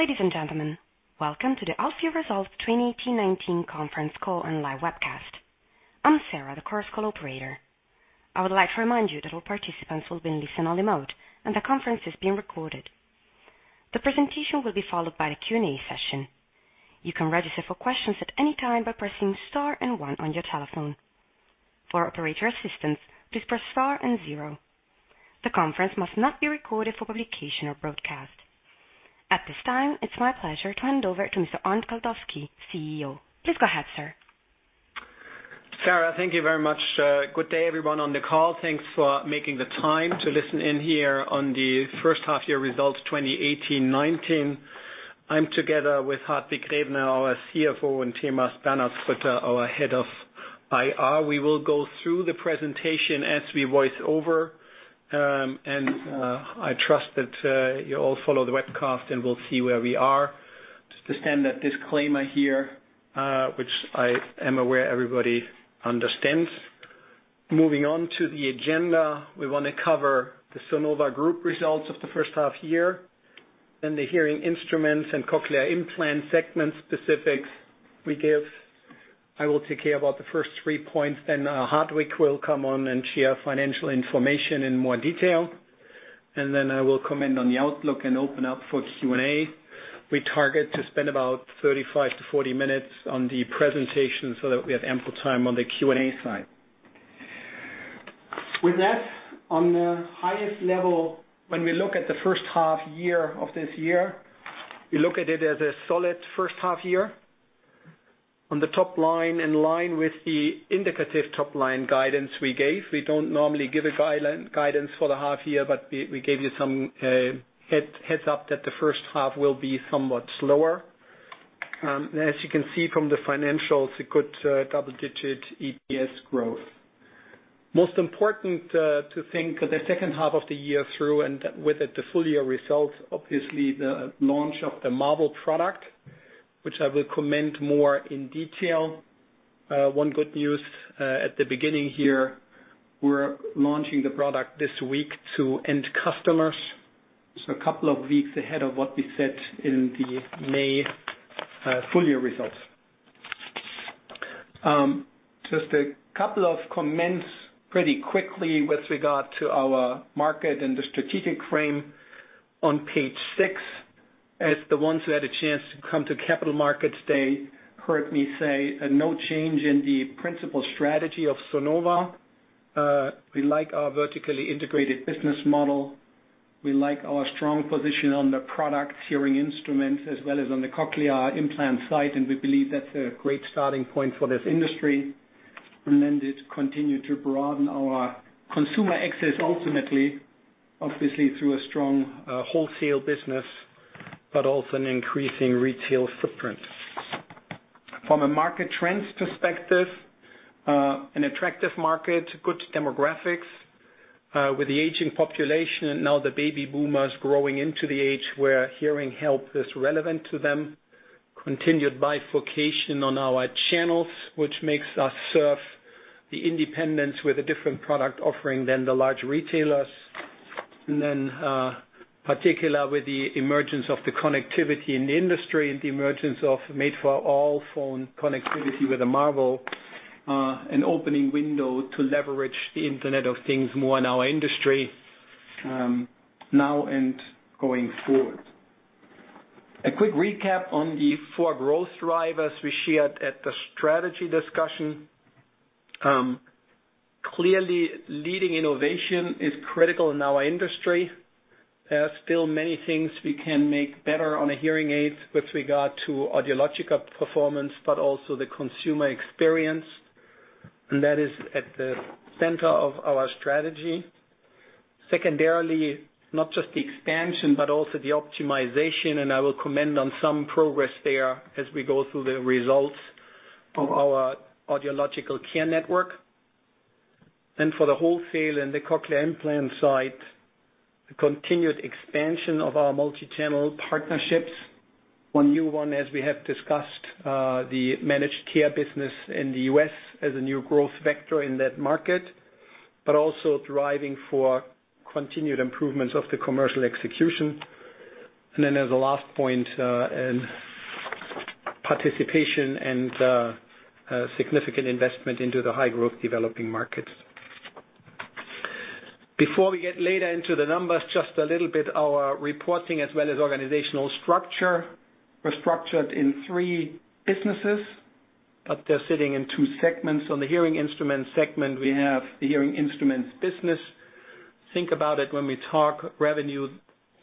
Ladies and gentlemen, welcome to the Half Year Results 2018/2019 Conference Call and Live Webcast. I am Sarah, the conference call operator. I would like to remind you that all participants will be in listen-only mode, and the conference is being recorded. The presentation will be followed by a Q&A session. You can register for questions at any time by pressing star and one on your telephone. For operator assistance, please press star and zero. The conference must not be recorded for publication or broadcast. At this time, it is my pleasure to hand over to Mr. Arnd Kaldowski, CEO. Please go ahead, sir. Sarah, thank you very much. Good day, everyone on the call. Thanks for making the time to listen in here on the first half year results 2018/19. I am together with Hartwig Grevener, our CFO, and Timo Spanu, our Head of IR. We will go through the presentation as we voice over, and I trust that you all follow the webcast and will see where we are. Just a standard disclaimer here, which I am aware everybody understands. Moving on to the agenda, we want to cover the Sonova Group results of the first half year, then the hearing instruments and cochlear implant segment specifics we give. I will take care about the first three points, then Hartwig will come on and share financial information in more detail. Then I will comment on the outlook and open up for Q&A. We target to spend about 35-40 minutes on the presentation so that we have ample time on the Q&A side. With that, on the highest level, when we look at the first half year of this year, we look at it as a solid first half year. On the top line, in line with the indicative top-line guidance we gave. We do not normally give a guidance for the half year, but we gave you some heads up that the first half will be somewhat slower. As you can see from the financials, a good double-digit EPS growth. Most important to think the second half of the year through and with it the full-year results, obviously the launch of the Marvel product, which I will comment more in detail. One good news at the beginning here, we are launching the product this week to end customers. Just a couple of weeks ahead of what we said in the May full-year results. Just a couple of comments pretty quickly with regard to our market and the strategic frame on page six. As the ones who had a chance to come to Capital Markets Day heard me say, no change in the principal strategy of Sonova. We like our vertically integrated business model. We like our strong position on the product hearing instruments as well as on the cochlear implant side, and we believe that is a great starting point for this industry. Then to continue to broaden our consumer access ultimately, obviously through a strong wholesale business, but also an increasing retail footprint. From a market trends perspective, an attractive market, good demographics with the aging population and now the baby boomers growing into the age where hearing help is relevant to them. Continued bifurcation on our channels, which makes us serve the independents with a different product offering than the large retailers. Particularly with the emergence of the connectivity in the industry and the emergence of made-for-all-phone connectivity with the Marvel, an opening window to leverage the Internet of Things more in our industry now and going forward. A quick recap on the four growth drivers we shared at the strategy discussion. Clearly, leading innovation is critical in our industry. There are still many things we can make better on a hearing aid with regard to audiological performance, but also the consumer experience, and that is at the center of our strategy. Secondarily, not just the expansion, but also the optimization, and I will comment on some progress there as we go through the results of our Audiological Care network. For the wholesale and the Cochlear Implant side, the continued expansion of our multichannel partnerships. One new one as we have discussed, the managed care business in the U.S. as a new growth vector in that market, but also driving for continued improvements of the commercial execution. As a last point, participation and significant investment into the high-growth developing markets. Before we get later into the numbers, just a little bit, our reporting as well as organizational structure. We're structured in three businesses, but they're sitting in two segments. On the Hearing Instruments segment, we have the Hearing Instruments business. Think about it when we talk revenue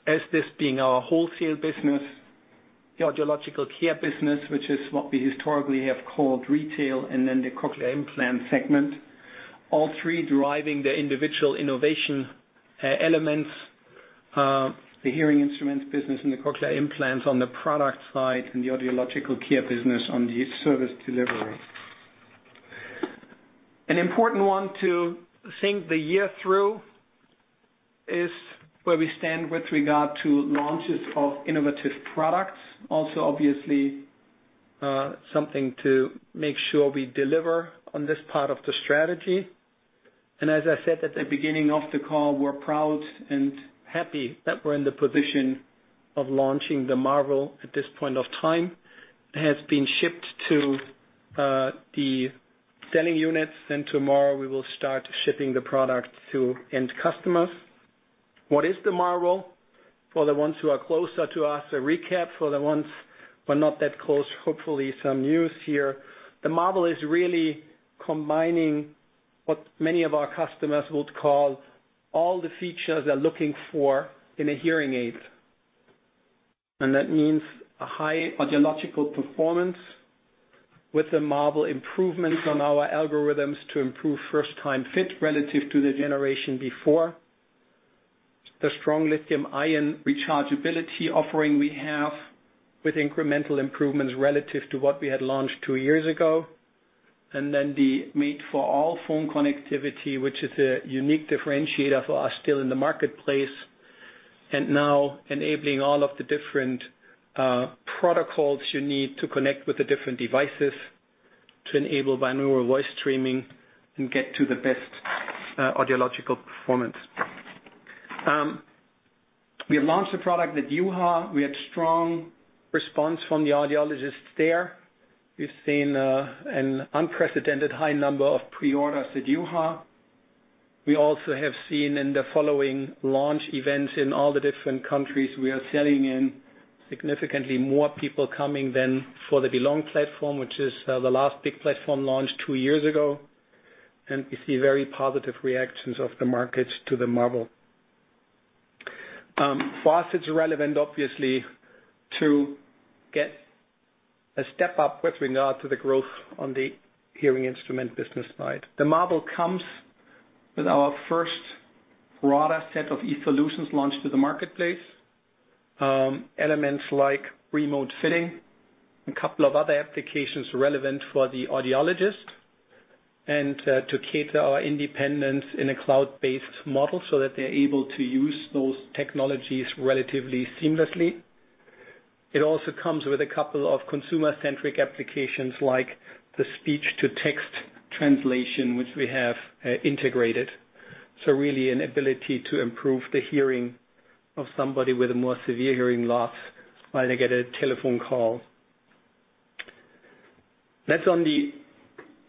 as this being our wholesale business, the Audiological Care business, which is what we historically have called retail, and then the Cochlear Implant segment, all three driving the individual innovation elements, the Hearing Instruments business and the Cochlear Implants on the product side and the Audiological Care business on the service delivery. An important one to think the year through is where we stand with regard to launches of innovative products. Also, obviously, something to make sure we deliver on this part of the strategy. As I said at the beginning of the call, we're proud and happy that we're in the position of launching the Marvel at this point of time. It has been shipped to the selling units, and tomorrow we will start shipping the product to end customers. What is the Marvel? For the ones who are closer to us, a recap. For the ones who are not that close, hopefully, some news here. The Marvel is really combining what many of our customers would call all the features they're looking for in a hearing aid. That means a high audiological performance with the Marvel improvements on our algorithms to improve first-time fit relative to the generation before. The strong lithium-ion rechargeability offering we have with incremental improvements relative to what we had launched two years ago, and then the Made for All phone connectivity, which is a unique differentiator for us still in the marketplace, and now enabling all of the different protocols you need to connect with the different devices to enable binaural voice streaming and get to the best audiological performance. We have launched the product at EUHA. We had strong response from the audiologists there. We've seen an unprecedented high number of pre-orders at EUHA. We also have seen in the following launch events in all the different countries we are selling in, significantly more people coming than for the Belong Platform, which is the last big platform launch two years ago. We see very positive reactions of the markets to the Marvel. For us, it's relevant, obviously, to get a step up with regard to the growth on the hearing instrument business side. The Marvel comes with our first broader set of eSolutions launch to the marketplace. Elements like remote fitting and a couple of other applications relevant for the audiologist, and to cater our independence in a cloud-based model so that they're able to use those technologies relatively seamlessly. It also comes with a couple of consumer-centric applications like the speech-to-text translation, which we have integrated. Really an ability to improve the hearing of somebody with a more severe hearing loss while they get a telephone call. That's on the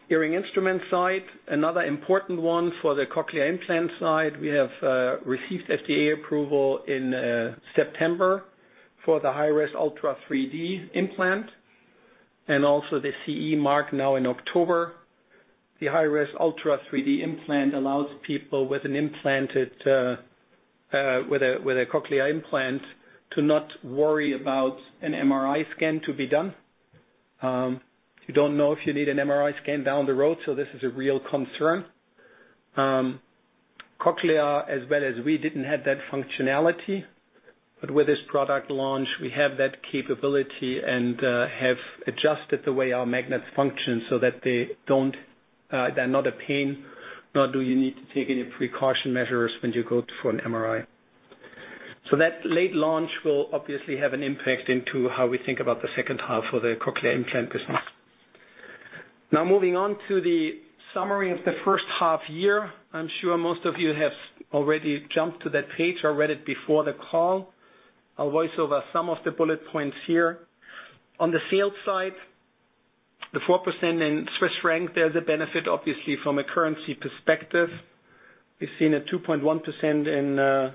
hearing instrument side. Another important one for the cochlear implant side, we have received FDA approval in September for the HiRes Ultra 3D implant, and also the CE mark now in October. The HiRes Ultra 3D implant allows people with a cochlear implant to not worry about an MRI scan to be done. You don't know if you need an MRI scan down the road, so this is a real concern. Cochlear, as well as we, didn't have that functionality. With this product launch, we have that capability and have adjusted the way our magnets function so that they're not a pain, nor do you need to take any precaution measures when you go for an MRI. That late launch will obviously have an impact into how we think about the second half of the cochlear implant business. Moving on to the summary of the first half year. I'm sure most of you have already jumped to that page or read it before the call. I'll voice over some of the bullet points here. On the sales side, the 4% in CHF, there's a benefit, obviously, from a currency perspective. We've seen a 2.1% in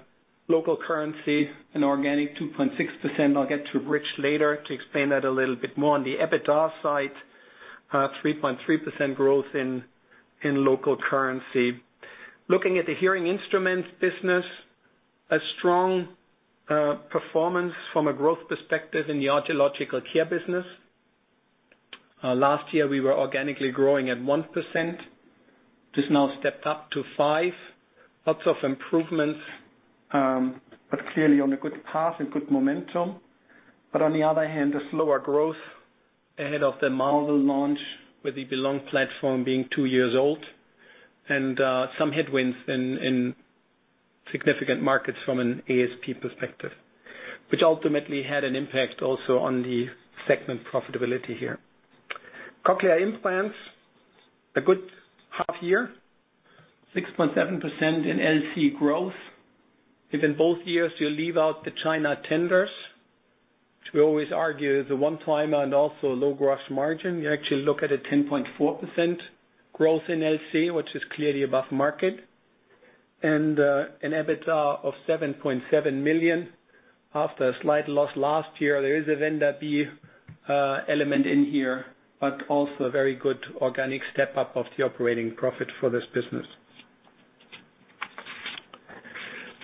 local currency and organic 2.6%. I'll get to Hartwig later to explain that a little bit more. On the EBITDA side, 3.3% growth in local currency. Looking at the hearing instruments business, a strong performance from a growth perspective in the audiological care business. Last year, we were organically growing at 1%. This now stepped up to 5%. Lots of improvements, clearly on a good path and good momentum. On the other hand, a slower growth ahead of the Marvel launch with the Belong Platform being two years old, and some headwinds in significant markets from an ASP perspective, which ultimately had an impact also on the segment profitability here. Cochlear implants, a good half year, 6.7% in LC growth. If in both years you leave out the China tenders, which we always argue is a one-timer and also a low gross margin, you actually look at a 10.4% growth in LC, which is clearly above market, and an EBITDA of 7.7 million. After a slight loss last year, there is a Vendor B element in here, but also a very good organic step up of the operating profit for this business.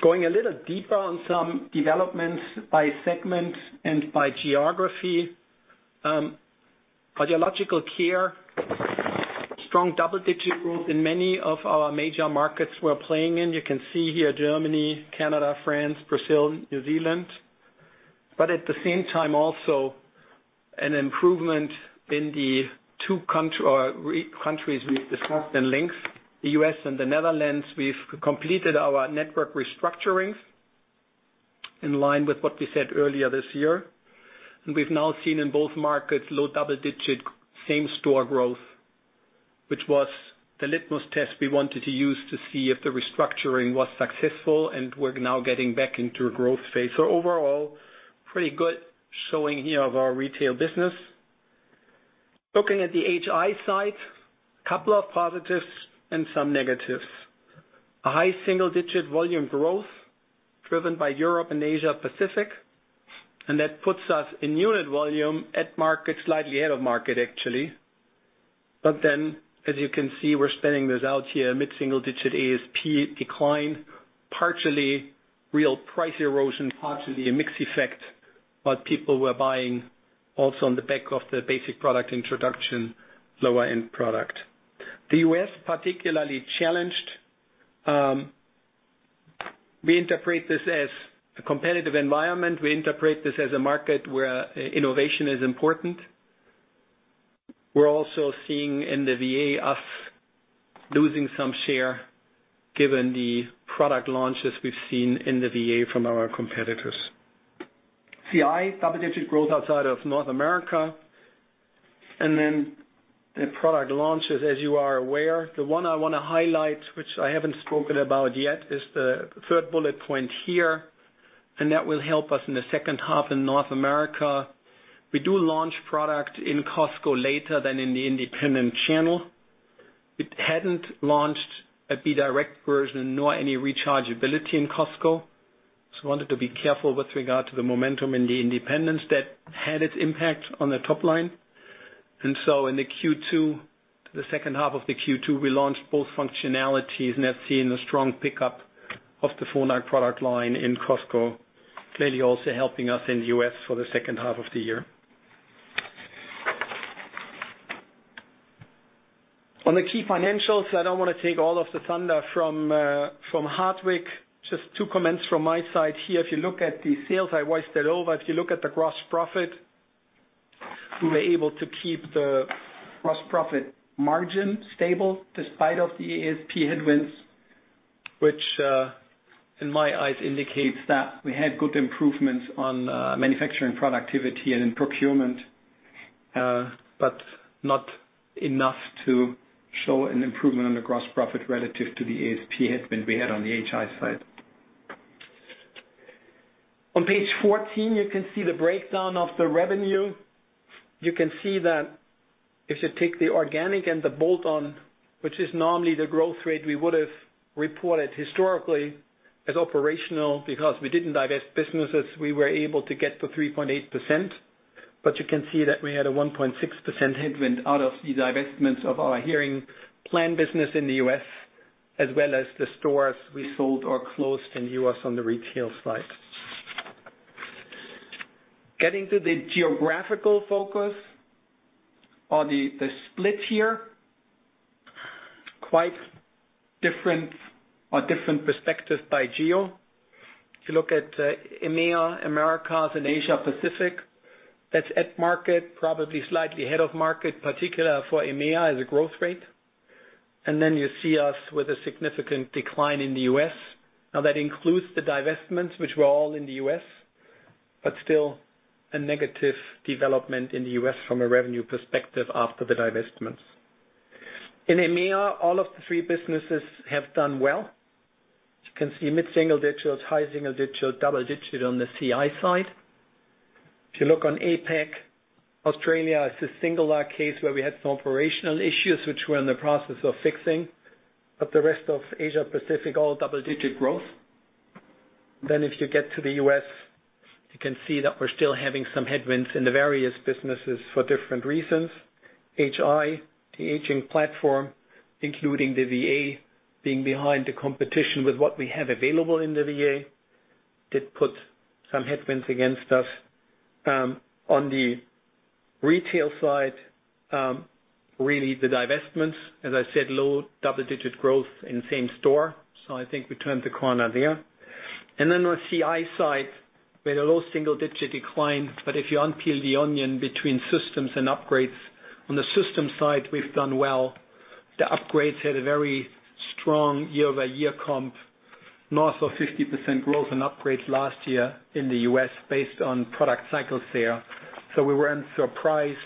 Going a little deeper on some developments by segment and by geography. Audiological care, strong double-digit growth in many of our major markets we're playing in. You can see here Germany, Canada, France, Brazil, New Zealand. At the same time, also an improvement in the two countries we've discussed in length, the U.S. and the Netherlands. We've completed our network restructuring in line with what we said earlier this year. We've now seen in both markets low double-digit same-store growth, which was the litmus test we wanted to use to see if the restructuring was successful, and we're now getting back into a growth phase. Overall, pretty good showing here of our retail business. Looking at the HI side, a couple of positives and some negatives. A high single-digit volume growth driven by Europe and Asia Pacific, and that puts us in unit volume at market, slightly ahead of market, actually. As you can see, we're spinning this out here mid-single digit ASP decline, partially real price erosion, partially a mix effect. People were buying also on the back of the basic product introduction, lower-end product. The U.S. particularly challenged. We interpret this as a competitive environment. We interpret this as a market where innovation is important. We're also seeing in the VA us losing some share given the product launches we've seen in the VA from our competitors. CI, double-digit growth outside of North America. The product launches, as you are aware, the one I want to highlight, which I haven't spoken about yet, is the third bullet point here. That will help us in the second half in North America. We do launch product in Costco later than in the independent channel. It hadn't launched a B-Direct version nor any rechargeability in Costco. Wanted to be careful with regard to the momentum in the independence that had its impact on the top line. In the Q2, the second half of the Q2, we launched both functionalities and have seen a strong pickup of the Phonak product line in Costco, clearly also helping us in the U.S. for the second half of the year. On the key financials, I don't want to take all of the thunder from Hartwig. Just two comments from my side here. If you look at the sales, I voiced it over. If you look at the gross profit, we were able to keep the gross profit margin stable despite of the ASP headwinds, which, in my eyes, indicates that we had good improvements on manufacturing productivity and in procurement, but not enough to show an improvement on the gross profit relative to the ASP headwind we had on the HI side. On page 14, you can see the breakdown of the revenue. You can see that if you take the organic and the bolt-on, which is normally the growth rate we would have reported historically as operational, because we didn't divest businesses, we were able to get to 3.8%. You can see that we had a 1.6% headwind out of the divestments of our HearingPlanet business in the U.S., as well as the stores we sold or closed in the U.S. on the retail side. Getting to the geographical focus or the split here, quite different or different perspective by geo. If you look at EMEA, Americas, and Asia Pacific, that's at market, probably slightly ahead of market, particularly for EMEA as a growth rate. Then you see us with a significant decline in the U.S. That includes the divestments, which were all in the U.S., but still a negative development in the U.S. from a revenue perspective after the divestments. In EMEA, all of the three businesses have done well. You can see mid-single-digits, high single-digit, double-digit on the CI side. If you look on APAC, Australia is a singular case where we had some operational issues which we're in the process of fixing, but the rest of Asia Pacific, all double-digit growth. If you get to the U.S., you can see that we're still having some headwinds in the various businesses for different reasons. HI, the aging platform, including the VA being behind the competition with what we have available in the VA, did put some headwinds against us. On the retail side, really the divestments, as I said, low double-digit growth in same store. I think we turned the corner there. On CI side, we had a low single-digit decline, but if you unpeel the onion between systems and upgrades, on the system side, we've done well. The upgrades had a very strong year-over-year comp, north of 50% growth in upgrades last year in the U.S. based on product cycles there. We weren't surprised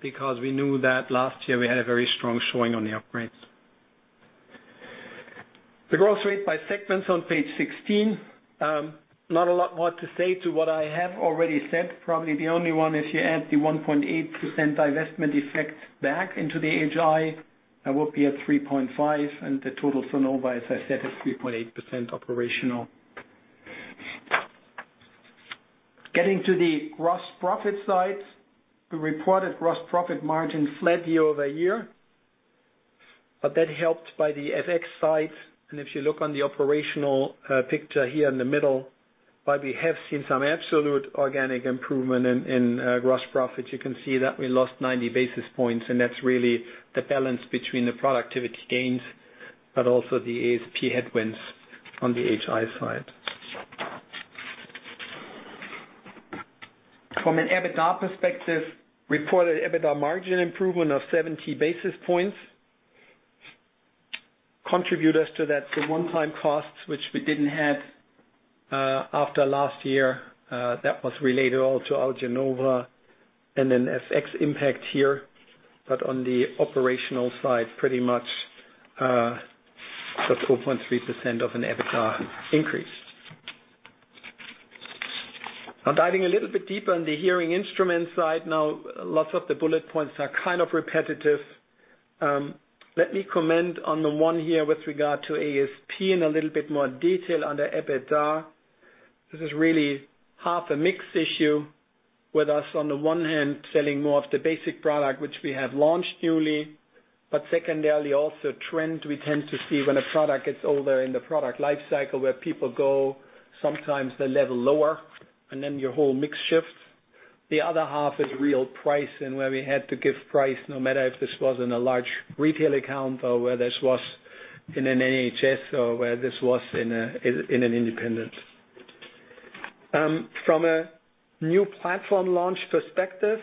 because we knew that last year we had a very strong showing on the upgrades. The growth rate by segments on page 16. Not a lot more to say to what I have already said. Probably the only one, if you add the 1.8% divestment effect back into the HI, that will be at 3.5% and the total Sonova, as I said, is 3.8% operational. Getting to the gross profit side. The reported gross profit margin flat year-over-year, but that helped by the FX side. If you look on the operational picture here in the middle, while we have seen some absolute organic improvement in gross profit, you can see that we lost 90 basis points, and that's really the balance between the productivity gains but also the ASP headwinds on the HI side. From an EBITDA perspective, reported EBITDA margin improvement of 70 basis points. Contributor to that, the one-time costs, which we didn't have, after last year, that was related all to Arnd Kaldowski and then FX impact here. On the operational side, pretty much, the 4.3% of an EBITDA increase. Diving a little bit deeper on the hearing instrument side, lots of the bullet points are kind of repetitive. Let me comment on the one here with regard to ASP in a little bit more detail under EBITDA. This is really half a mix issue with us on the one hand selling more of the basic product which we have launched newly, but secondarily also a trend we tend to see when a product gets older in the product life cycle where people go sometimes the level lower and then your whole mix shifts. The other half is real price where we had to give price no matter if this was in a large retail account or whether this was in an NHS or whether this was in an independent. From a new platform launch perspective,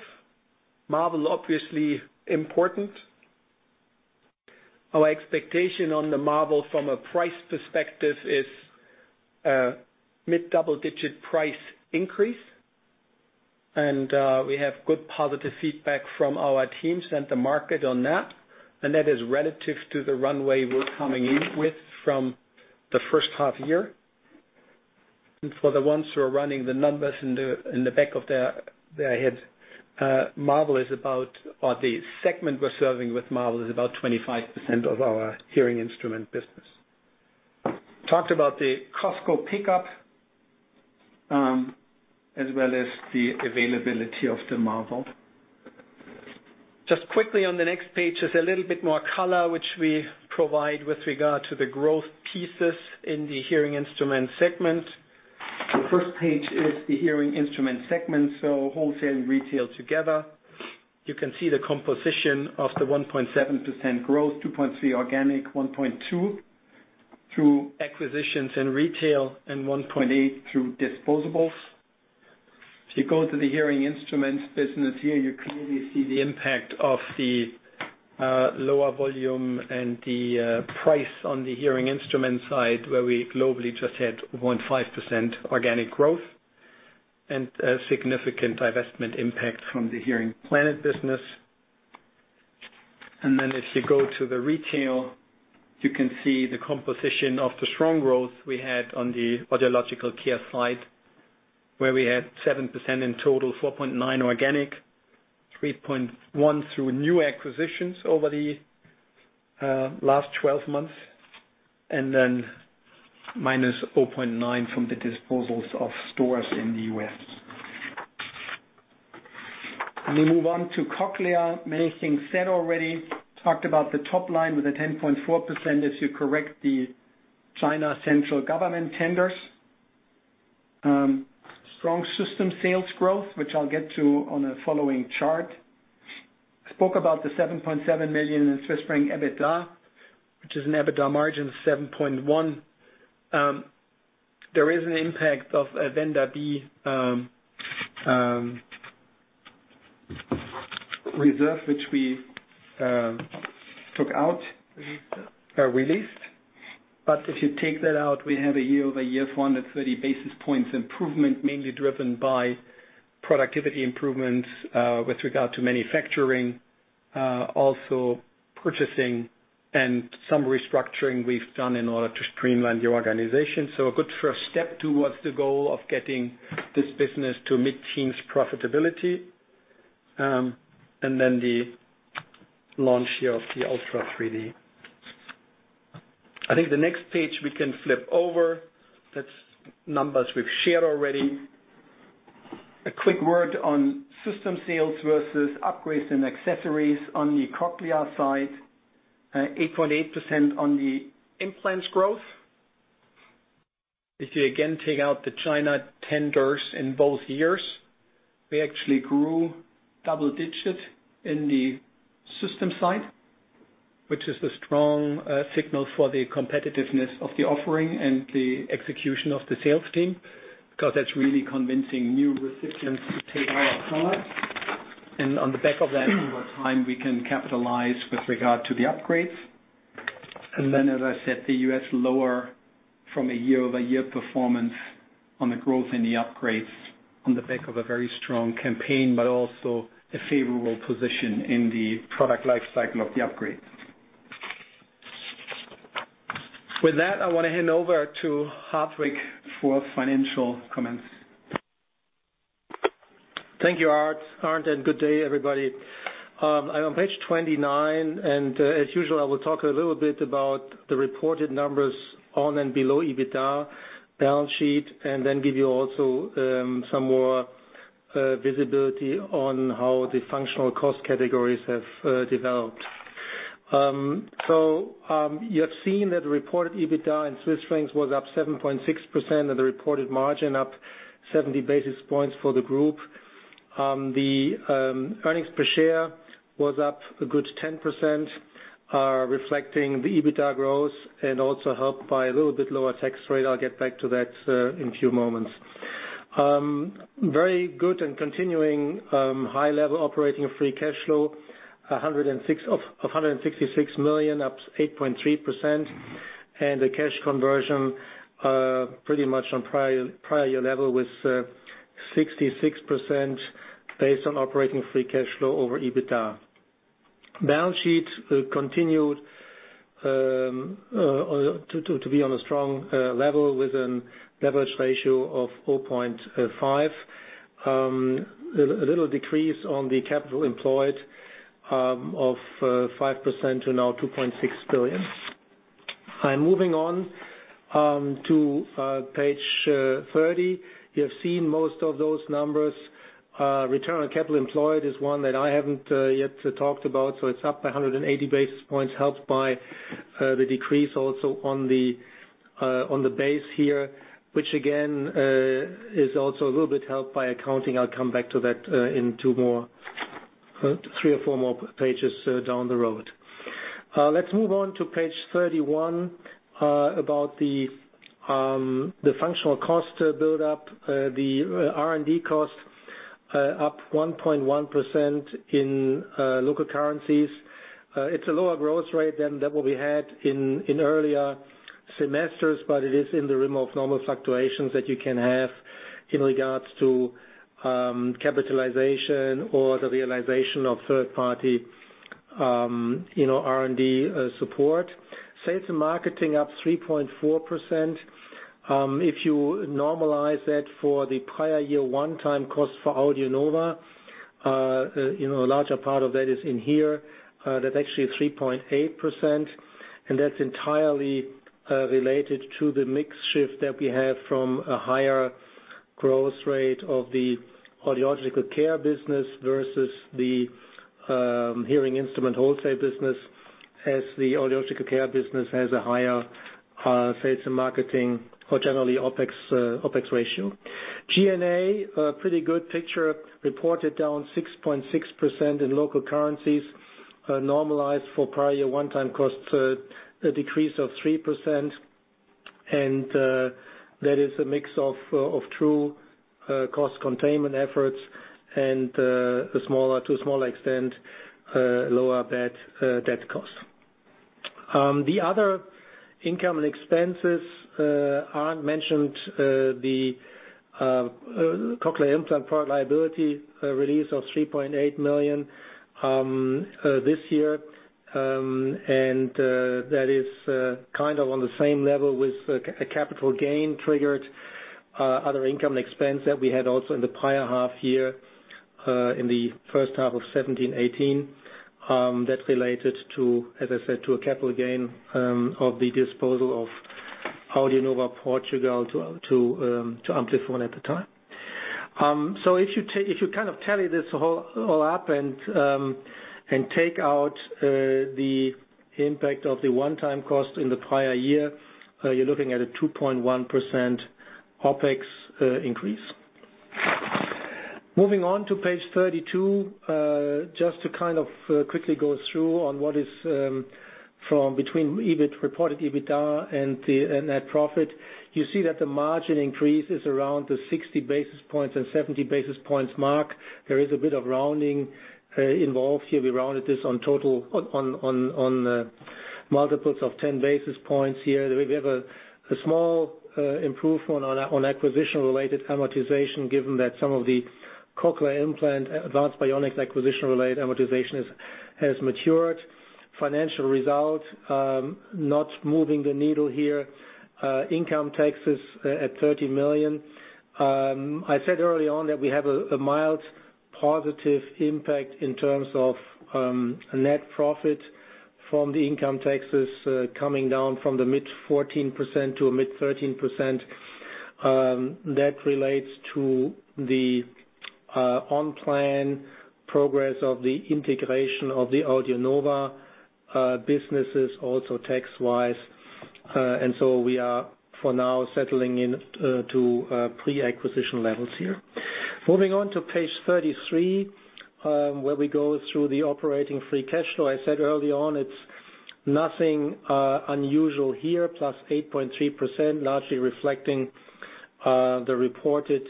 Marvel obviously important. Our expectation on the Marvel from a price perspective is mid-double-digit price increase, and we have good positive feedback from our teams and the market on that. That is relative to the runway we're coming in with from the first half year. For the ones who are running the numbers in the back of their heads, Marvel is about or the segment we're serving with Marvel is about 25% of our hearing instrument business. Talked about the Costco pickup, as well as the availability of the Marvel. Just quickly on the next page is a little bit more color, which we provide with regard to the growth pieces in the hearing instrument segment. The first page is the hearing instrument segment, so wholesale and retail together. You can see the composition of the 1.7% growth, 2.3% organic, 1.2% through acquisitions and retail, and 1.8% through disposables. If you go to the hearing instruments business here, you clearly see the impact of the lower volume and the price on the hearing instrument side, where we globally just had 0.5% organic growth and a significant divestment impact from the HearingPlanet business. If you go to the retail, you can see the composition of the strong growth we had on the audiological care side, where we had 7% in total, 4.9% organic, 3.1% through new acquisitions over the last 12 months, and then -0.9% from the disposals of stores in the U.S. Let me move on to Cochlear, many things said already, talked about the top line with the 10.4% if you correct the China central government tenders. Strong system sales growth, which I'll get to on a following chart. Spoke about the 7.7 million EBITDA, which is an EBITDA margin of 7.1%. There is an impact of a Vendor B reserve, which we took out or released. If you take that out, we have a year-over-year 130 basis points improvement mainly driven by productivity improvements with regard to manufacturing, also purchasing and some restructuring we've done in order to streamline the organization. A good first step towards the goal of getting this business to mid-teens profitability, and then the launch here of the Ultra 3D. I think the next page we can flip over, that's numbers we've shared already. A quick word on system sales versus upgrades and accessories on the Cochlear side, 8.8% on the implants growth. If you again take out the China tenders in both years, we actually grew double-digits in the system side, which is a strong signal for the competitiveness of the offering and the execution of the sales team because that's really convincing new recipients to take our products. On the back of that, over time, we can capitalize with regard to the upgrades. Then, as I said, the U.S. lower from a year-over-year performance on the growth in the upgrades on the back of a very strong campaign, but also a favorable position in the product life cycle of the upgrades. With that, I want to hand over to Hartwig for financial comments. Thank you, Arnd, and good day, everybody. I'm on page 29. As usual, I will talk a little bit about the reported numbers on and below EBITDA balance sheet. Then give you also some more visibility on how the functional cost categories have developed. You have seen that the reported EBITDA in CHF was up 7.6%, and the reported margin up 70 basis points for the group. The earnings per share was up a good 10%, reflecting the EBITDA growth and also helped by a little bit lower tax rate. I'll get back to that in a few moments. Very good and continuing high level operating free cash flow, 166 million, up 8.3%, and the cash conversion pretty much on prior year level with 66% based on operating free cash flow over EBITDA. Balance sheet continued to be on a strong level with a leverage ratio of 0.5. A little decrease on the capital employed of 5% to now 2.6 billion. I'm moving on to page 30. You have seen most of those numbers. Return on capital employed is one that I haven't yet talked about. It's up 180 basis points, helped by the decrease also on the base here, which again, is also a little bit helped by accounting. I'll come back to that in three or four more pages down the road. Let's move on to page 31, about the functional cost build up. The R&D cost up 1.1% in local currencies. It's a lower growth rate than what we had in earlier semesters, but it is in the realm of normal fluctuations that you can have in regards to capitalization or the realization of third-party R&D support. Sales and marketing up 3.4%. If you normalize that for the prior year one-time cost for AudioNova, a larger part of that is in here, that actually is 3.8%, and that's entirely related to the mix shift that we have from a higher growth rate of the audiological care business versus the hearing instrument wholesale business, as the audiological care business has a higher sales and marketing or generally OpEx ratio. G&A, a pretty good picture, reported down 6.6% in local currencies, normalized for prior year one-time costs, a decrease of 3%, and that is a mix of true cost containment efforts and to a small extent, lower debt cost. The other income and expenses, Arnd mentioned the cochlear implant product liability release of 3.8 million this year. That is on the same level with a capital gain triggered other income and expense that we had also in the prior half year, in the first half of 2017-2018. That related to, as I said, to a capital gain of the disposal of AudioNova Portugal to Amplifon at the time. If you tally this all up and take out the impact of the one-time cost in the prior year, you're looking at a 2.1% OpEx increase. Moving on to page 32, just to quickly go through on what is from between reported EBITDA and net profit. You see that the margin increase is around the 60 basis points and 70 basis points mark. There is a bit of rounding involved here. We rounded this on multiples of 10 basis points here. We have a small improvement on acquisition-related amortization, given that some of the cochlear implant, Advanced Bionics acquisition-related amortization has matured. Financial result, not moving the needle here. Income taxes at 30 million. I said early on that we have a mild positive impact in terms of net profit from the income taxes coming down from the mid 14% to a mid 13%. That relates to the on-plan progress of the integration of the AudioNova businesses also tax-wise. We are, for now, settling in to pre-acquisition levels here. Moving on to page 33, where we go through the operating free cash flow. I said early on, it's nothing unusual here, +8.3%, largely reflecting the reported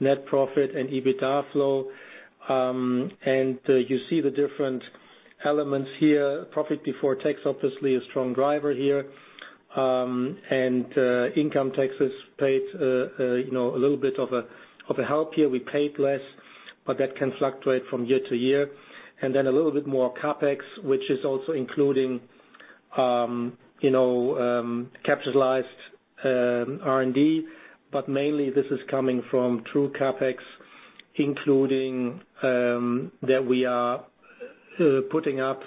net profit and EBITDA flow. You see the different elements here, profit before tax, obviously a strong driver here. Income taxes paid a little bit of a help here. We paid less, but that can fluctuate from year-to-year. Then a little bit more CapEx, which is also including capitalized R&D, but mainly this is coming from true CapEx, including that we are putting up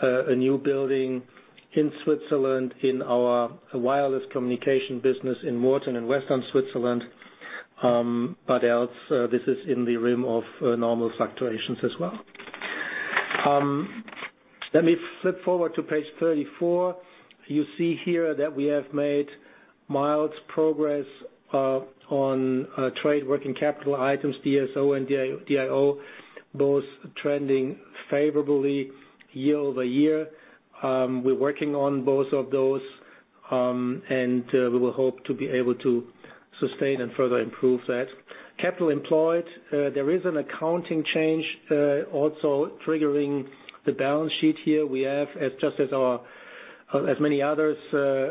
a new building in Switzerland in our wireless communication business in Murten in western Switzerland. Else, this is in the realm of normal fluctuations as well. Let me flip forward to page 34. You see here that we have made mild progress on trade working capital items, DSO and DIO, both trending favorably year-over-year. We're working on both of those, and we will hope to be able to sustain and further improve that. Capital employed, there is an accounting change also triggering the balance sheet here. We have, just as many others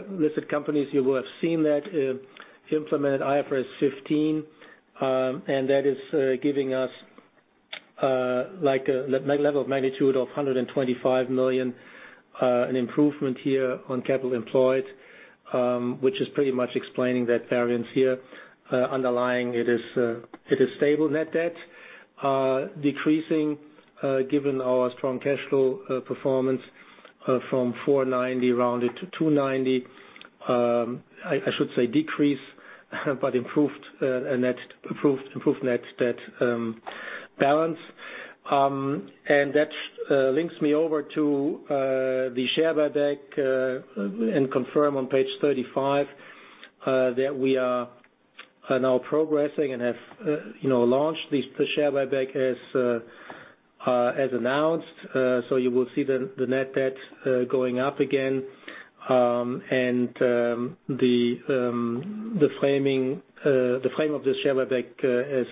listed companies, you will have seen that implemented IFRS 15. That is giving us a level of magnitude of 125 million, an improvement here on capital employed, which is pretty much explaining that variance here. Underlying, it is stable net debt. Decreasing, given our strong cash flow performance, from 490 rounded to 290. I should say decrease, but improved net debt balance. That links me over to the share buyback, confirm on page 35 that we are now progressing and have launched the share buyback as announced. You will see the net debt going up again. The frame of the share buyback as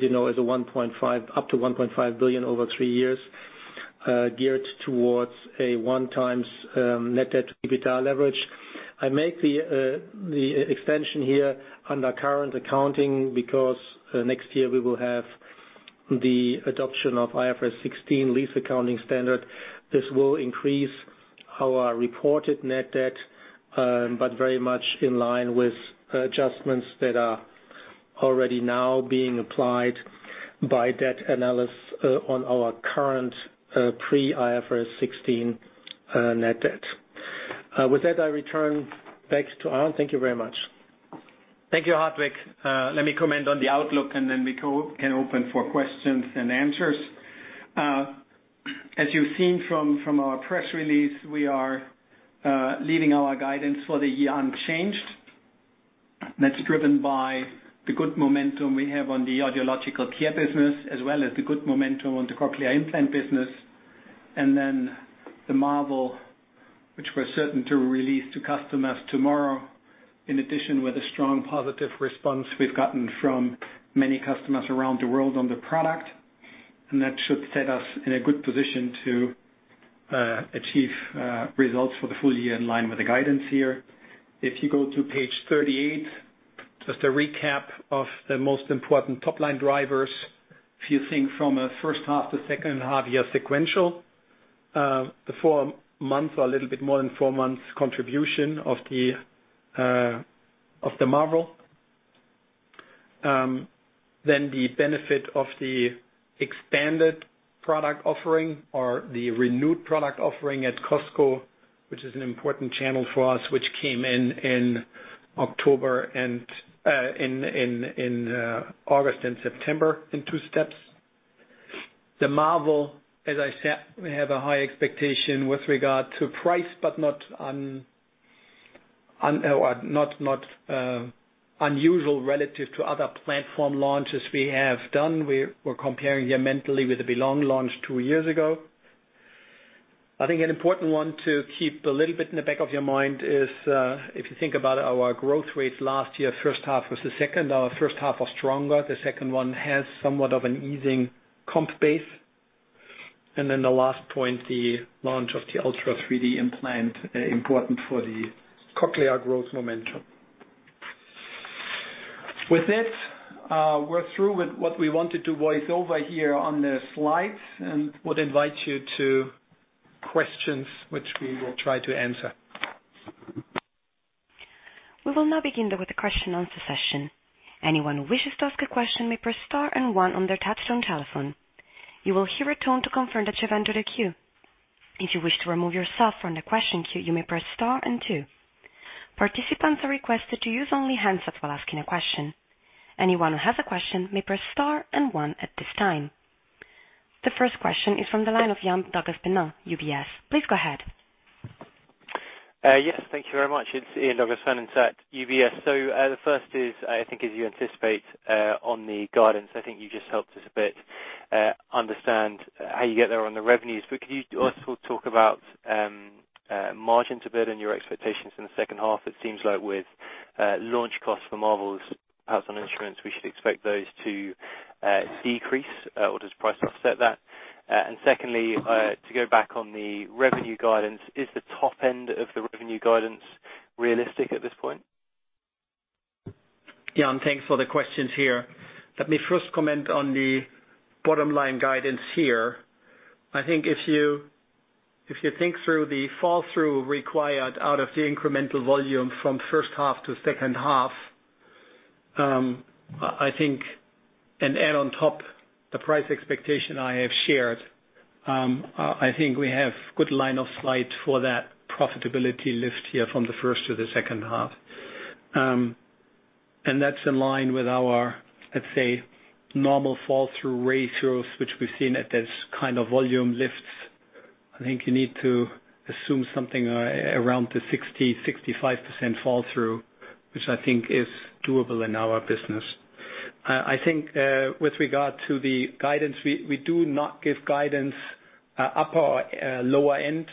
you know, is up to 1.5 billion over three years, geared towards a 1x net debt EBITDA leverage. I make the extension here under current accounting because next year we will have the adoption of IFRS 16 lease accounting standard. This will increase our reported net debt, but very much in line with adjustments that are already now being applied by debt analysts on our current pre-IFRS 16 net debt. With that, I return back to Arnd. Thank you very much. Thank you, Hartwig. Let me comment on the outlook. We can open for questions and answers. As you've seen from our press release, we are leaving our guidance for the year unchanged. That's driven by the good momentum we have on the audiological care business, as well as the good momentum on the cochlear implant business. The Marvel, which we're certain to release to customers tomorrow, in addition with the strong positive response we've gotten from many customers around the world on the product. That should set us in a good position to achieve results for the full year in line with the guidance here. If you go to page 38, just a recap of the most important top-line drivers. If you think from a first half to second half year sequential, the four months or a little bit more than four months contribution of the Marvel. The benefit of the expanded product offering or the renewed product offering at Costco, which is an important channel for us, which came in August and September in two steps. The Marvel, as I said, we have a high expectation with regard to price, but not unusual relative to other platform launches we have done. We're comparing here mentally with the Belong launch two years ago. I think an important one to keep a little bit in the back of your mind is, if you think about our growth rates last year, first half versus second. Our first half was stronger. The second one has somewhat of an easing comp base. The last point, the launch of the Ultra 3D implant, important for the cochlear growth momentum. With that, we're through with what we wanted to voice over here on the slides and would invite you to questions which we will try to answer. We will now begin with the question-and-answer session. Anyone who wishes to ask a question may press star and one on their touch-tone telephone. You will hear a tone to confirm that you've entered a queue. If you wish to remove yourself from the question queue, you may press star and two. Participants are requested to use only handsets while asking a question. Anyone who has a question may press star and one at this time. The first question is from the line of Ian Douglas-Pennant, UBS. Please go ahead. Yes, thank you very much. It's Ian Douglas-Pennant at UBS. The first is, I think as you anticipate on the guidance, I think you just helped us a bit understand how you get there on the revenues. But could you also talk about margins a bit and your expectations in the second half? It seems like with launch costs for Marvel's house and insurance, we should expect those to decrease, or does price offset that? Secondly, to go back on the revenue guidance, is the top end of the revenue guidance realistic at this point? Ian, thanks for the questions here. Let me first comment on the bottom line guidance here. I think if you think through the fall-through required out of the incremental volume from first half to second half, and add on top the price expectation I have shared, I think we have good line of sight for that profitability lift here from the first to the second half. That's in line with our, let's say, normal fall-through ratios, which we've seen at this kind of volume lifts. I think you need to assume something around the 60%-65% fall-through, which I think is doable in our business. I think with regard to the guidance, we do not give guidance, upper or lower end.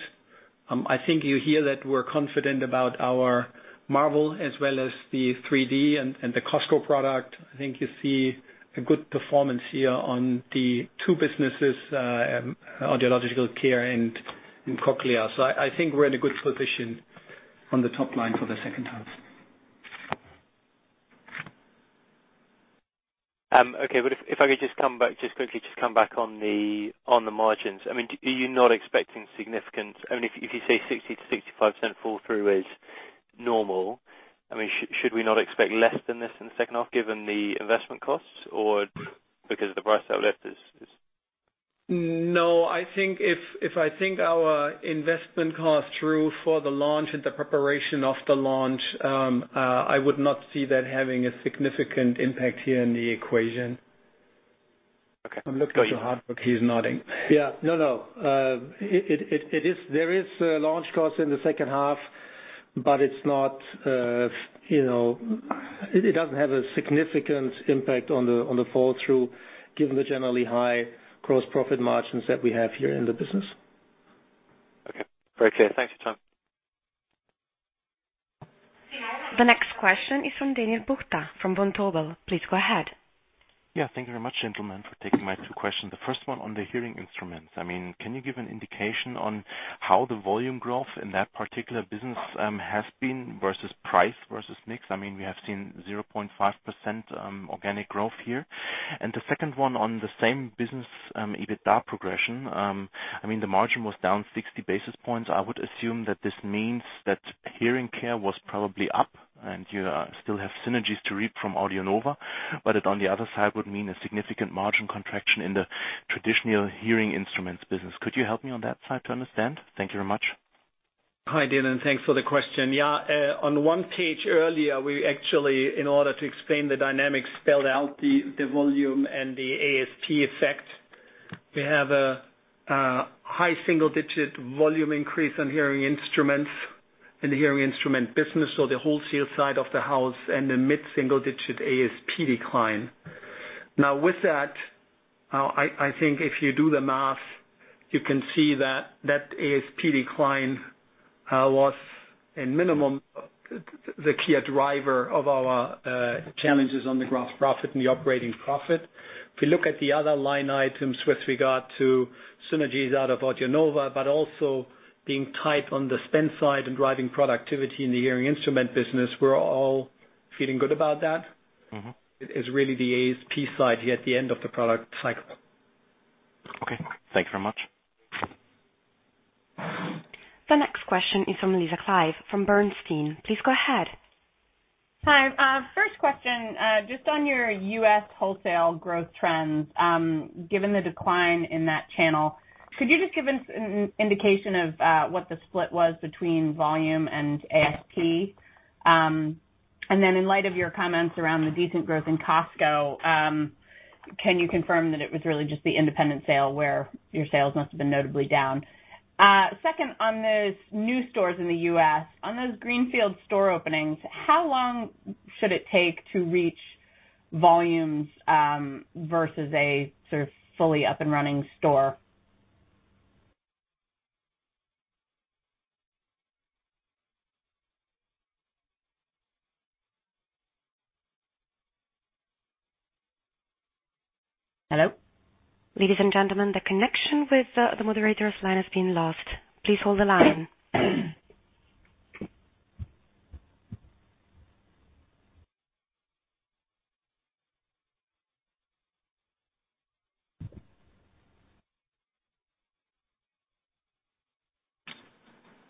I think you hear that we're confident about our Marvel as well as the 3D and the Costco product. I think you see a good performance here on the two businesses, audiological care and cochlear. I think we're in a good position on the top line for the second half. Okay. If I could just quickly come back on the margins. Are you not expecting significant If you say 60%-65% fall-through is normal, should we not expect less than this in the second half given the investment costs? Or because the price uplift is- No. If I think our investment cost through for the launch and the preparation of the launch, I would not see that having a significant impact here in the equation. Okay. I'm looking at Hartwig, he's nodding. Yeah. No, no. There is launch costs in the second half, it doesn't have a significant impact on the fall-through, given the generally high gross profit margins that we have here in the business. Okay. Very clear. Thanks for your time. The next question is from Daniel Buchta from Vontobel. Please go ahead. Yeah. Thank you very much, gentlemen, for taking my two questions. The first one on the hearing instruments. Can you give an indication on how the volume growth in that particular business has been versus price, versus mix? We have seen 0.5% organic growth here. The second one on the same business, EBITDA progression. The margin was down 60 basis points. I would assume that this means that hearing care was probably up and you still have synergies to reap from AudioNova. It on the other side would mean a significant margin contraction in the traditional hearing instruments business. Could you help me on that side to understand? Thank you very much. Hi, Daniel, and thanks for the question. Yeah. On one page earlier, we actually, in order to explain the dynamics, spelled out the volume and the ASP effect. We have a high single-digit volume increase in hearing instruments, in the hearing instrument business, so the wholesale side of the house, and a mid-single-digit ASP decline. Now with that, I think if you do the math, you can see that that ASP decline was a minimum, the key driver of our challenges on the gross profit and the operating profit. If you look at the other line items with regard to synergies out of AudioNova, but also being tight on the spend side and driving productivity in the hearing instrument business, we're all feeling good about that. It is really the ASP side here at the end of the product cycle. Okay. Thanks very much. The next question is from Lisa Clive from Bernstein. Please go ahead. Hi. First question, just on your U.S. wholesale growth trends. Given the decline in that channel, could you just give us an indication of what the split was between volume and ASP? Then in light of your comments around the decent growth in Costco, can you confirm that it was really just the independent sale where your sales must have been notably down? Second, on those new stores in the U.S., on those greenfield store openings, how long should it take to reach volumes, versus a sort of fully up and running store? Hello? Ladies and gentlemen, the connection with the moderator's line has been lost. Please hold the line.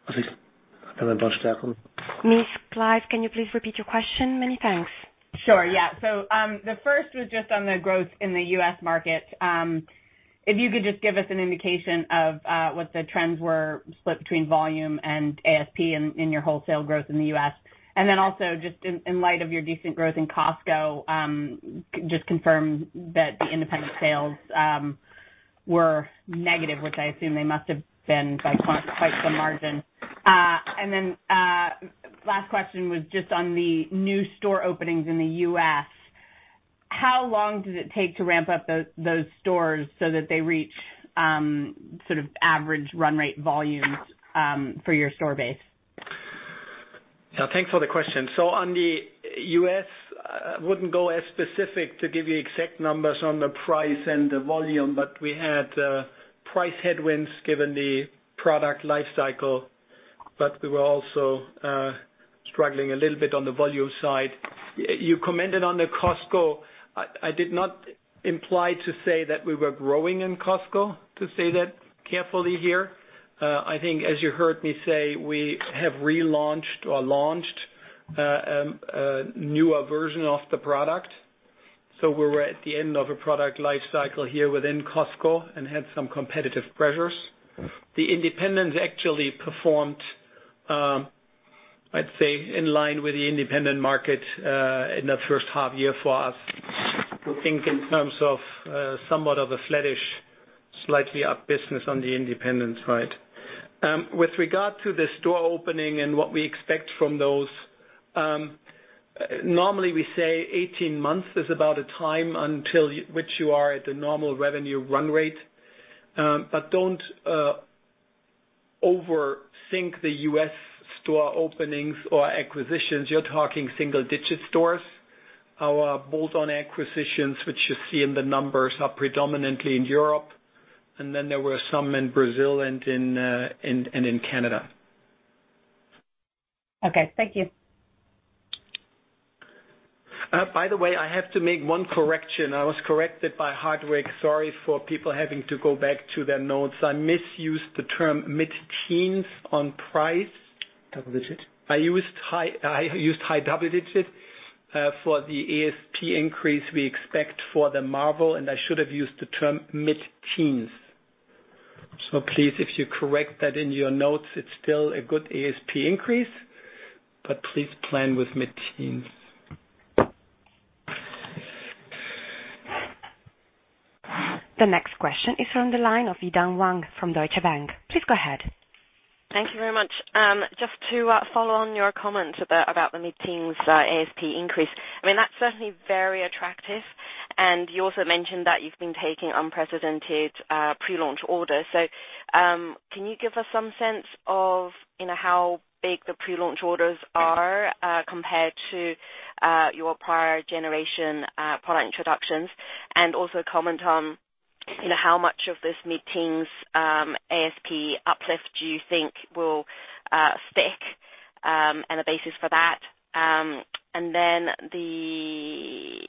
I think. Can I barge back on? Ms. Clive, can you please repeat your question? Many thanks. Sure. Yeah. The first was just on the growth in the U.S. market. If you could just give us an indication of what the trends were split between volume and ASP in your wholesale growth in the U.S. Also just in light of your decent growth in Costco, just confirm that the independent sales were negative, which I assume they must have been by quite the margin. Last question was just on the new store openings in the U.S. How long does it take to ramp up those stores so that they reach average run rate volumes for your store base? Yeah. Thanks for the question. On the U.S., wouldn't go as specific to give you exact numbers on the price and the volume, but we had price headwinds given the product life cycle, but we were also struggling a little bit on the volume side. You commented on the Costco. I did not imply to say that we were growing in Costco, to say that carefully here. I think as you heard me say, we have relaunched or launched a newer version of the product. We were at the end of a product life cycle here within Costco and had some competitive pressures. The independents actually performed, I'd say in line with the independent market in the first half year for us, to think in terms of somewhat of a flattish, slightly up business on the independents side. With regard to the store opening and what we expect from those, normally we say 18 months is about a time until which you are at the normal revenue run rate. Don't overthink the U.S. store openings or acquisitions. You are talking single-digit stores. Our bolt-on acquisitions, which you see in the numbers, are predominantly in Europe, and then there were some in Brazil and in Canada. Okay. Thank you. By the way, I have to make one correction. I was corrected by Hartwig. Sorry for people having to go back to their notes. I misused the term mid-teens on price. Double-digit. I used high double-digit for the ASP increase we expect for the Marvel, and I should have used the term mid-teens. Please, if you correct that in your notes, it's still a good ASP increase, but please plan with mid-teens. The next question is on the line of Yi-Dan Wang from Deutsche Bank. Please go ahead. Thank you very much. Just to follow on your comment about the mid-teens ASP increase. I mean, that's certainly very attractive, and you also mentioned that you've been taking unprecedented pre-launch orders. Can you give us some sense of how big the pre-launch orders are compared to your prior generation product introductions, and also comment on how much of this mid-teens ASP uplift do you think will stick, and the basis for that. The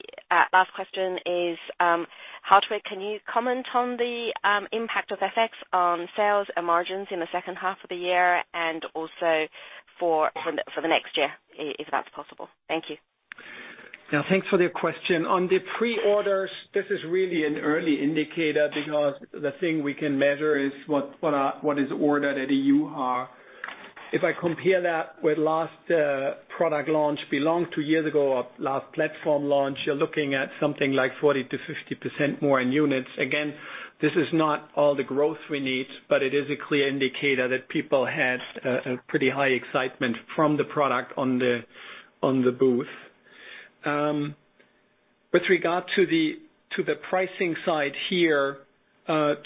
last question is, Hartwig, can you comment on the impact of FX on sales and margins in the second half of the year, and also for the next year, if that's possible? Thank you. Yeah, thanks for the question. On the pre-orders, this is really an early indicator because the thing we can measure is what is ordered at EUHA. If I compare that with last product launch Belong two years ago, our last platform launch, you're looking at something like 40%-50% more in units. Again, this is not all the growth we need, but it is a clear indicator that people had a pretty high excitement from the product on the booth. With regard to the pricing side here,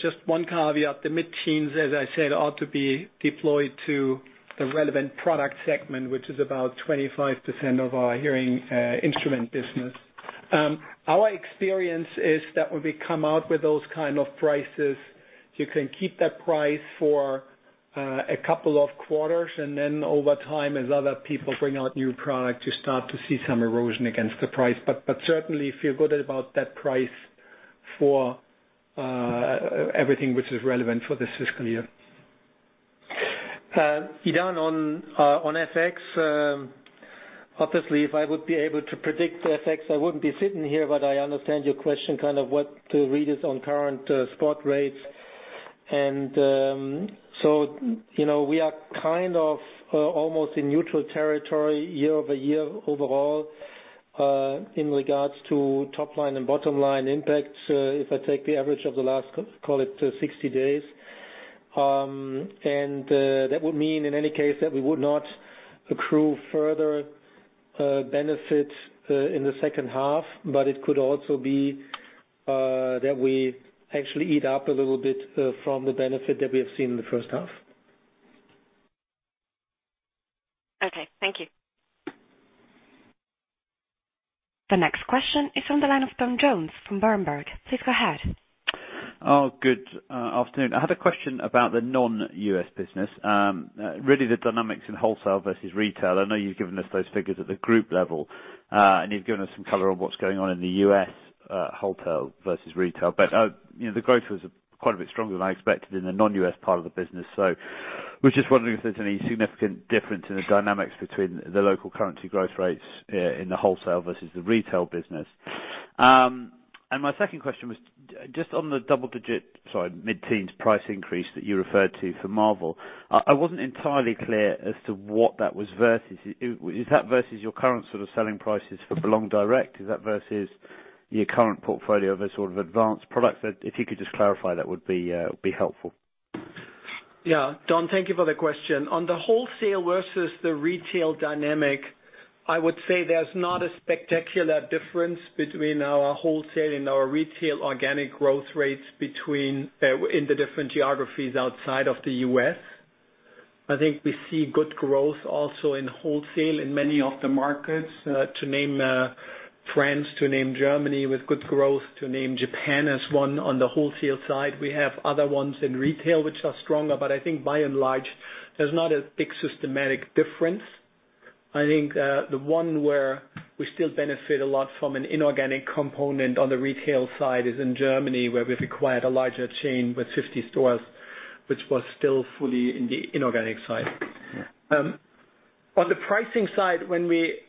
just one caveat. The mid-teens, as I said, ought to be deployed to the relevant product segment, which is about 25% of our hearing instrument business. Our experience is that when we come out with those kind of prices, you can keep that price for a couple of quarters, and then over time, as other people bring out new product, you start to see some erosion against the price. Certainly, feel good about that price for everything which is relevant for this fiscal year. Yi-Dan, on FX, obviously, if I would be able to predict the FX, I wouldn't be sitting here, but I understand your question, kind of what the read is on current spot rates. We are kind of almost in neutral territory year-over-year overall, in regards to top line and bottom line impacts, if I take the average of the last, call it 60 days. That would mean, in any case, that we would not accrue further benefit in the second half, but it could also be that we actually eat up a little bit from the benefit that we have seen in the first half. Okay. Thank you. The next question is on the line of Tom Jones from Berenberg. Please go ahead. Oh, good afternoon. I had a question about the non-U.S. business, really the dynamics in wholesale versus retail. I know you've given us those figures at the group level, and you've given us some color on what's going on in the U.S. wholesale versus retail. The growth was quite a bit stronger than I expected in the non-U.S. part of the business. I was just wondering if there's any significant difference in the dynamics between the local currency growth rates in the wholesale versus the retail business. My second question was just on the double-digit, sorry, mid-teens price increase that you referred to for Marvel. I wasn't entirely clear as to what that was versus. Is that versus your current sort of selling prices for Audéo B-Direct? Is that versus your current portfolio of sort of advanced products? If you could just clarify, that would be helpful. Yeah. Tom, thank you for the question. On the wholesale versus the retail dynamic, I would say there's not a spectacular difference between our wholesale and our retail organic growth rates in the different geographies outside of the U.S. I think we see good growth also in wholesale in many of the markets, to name France, to name Germany with good growth, to name Japan as one on the wholesale side. We have other ones in retail which are stronger. I think by and large, there's not a big systematic difference. I think the one where we still benefit a lot from an inorganic component on the retail side is in Germany, where we've acquired a larger chain with 50 stores, which was still fully in the inorganic side. On the pricing side, when we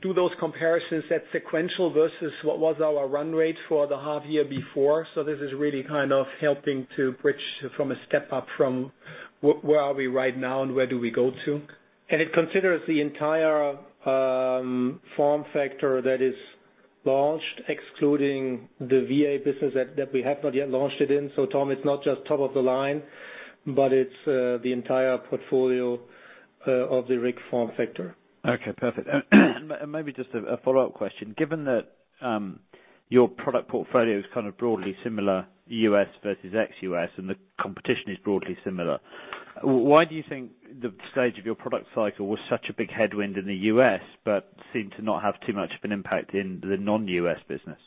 do those comparisons, that's sequential versus what was our run rate for the half year before. This is really kind of helping to bridge from a step-up from where are we right now and where do we go to. It considers the entire form factor that is Launched, excluding the VA business that we have not yet launched it in. Tom, it's not just top of the line, but it's the entire portfolio of the RIC form factor. Okay, perfect. Maybe just a follow-up question. Given that your product portfolio is kind of broadly similar, U.S. versus ex-U.S., and the competition is broadly similar, why do you think the stage of your product cycle was such a big headwind in the U.S., but seemed to not have too much of an impact in the non-U.S. business?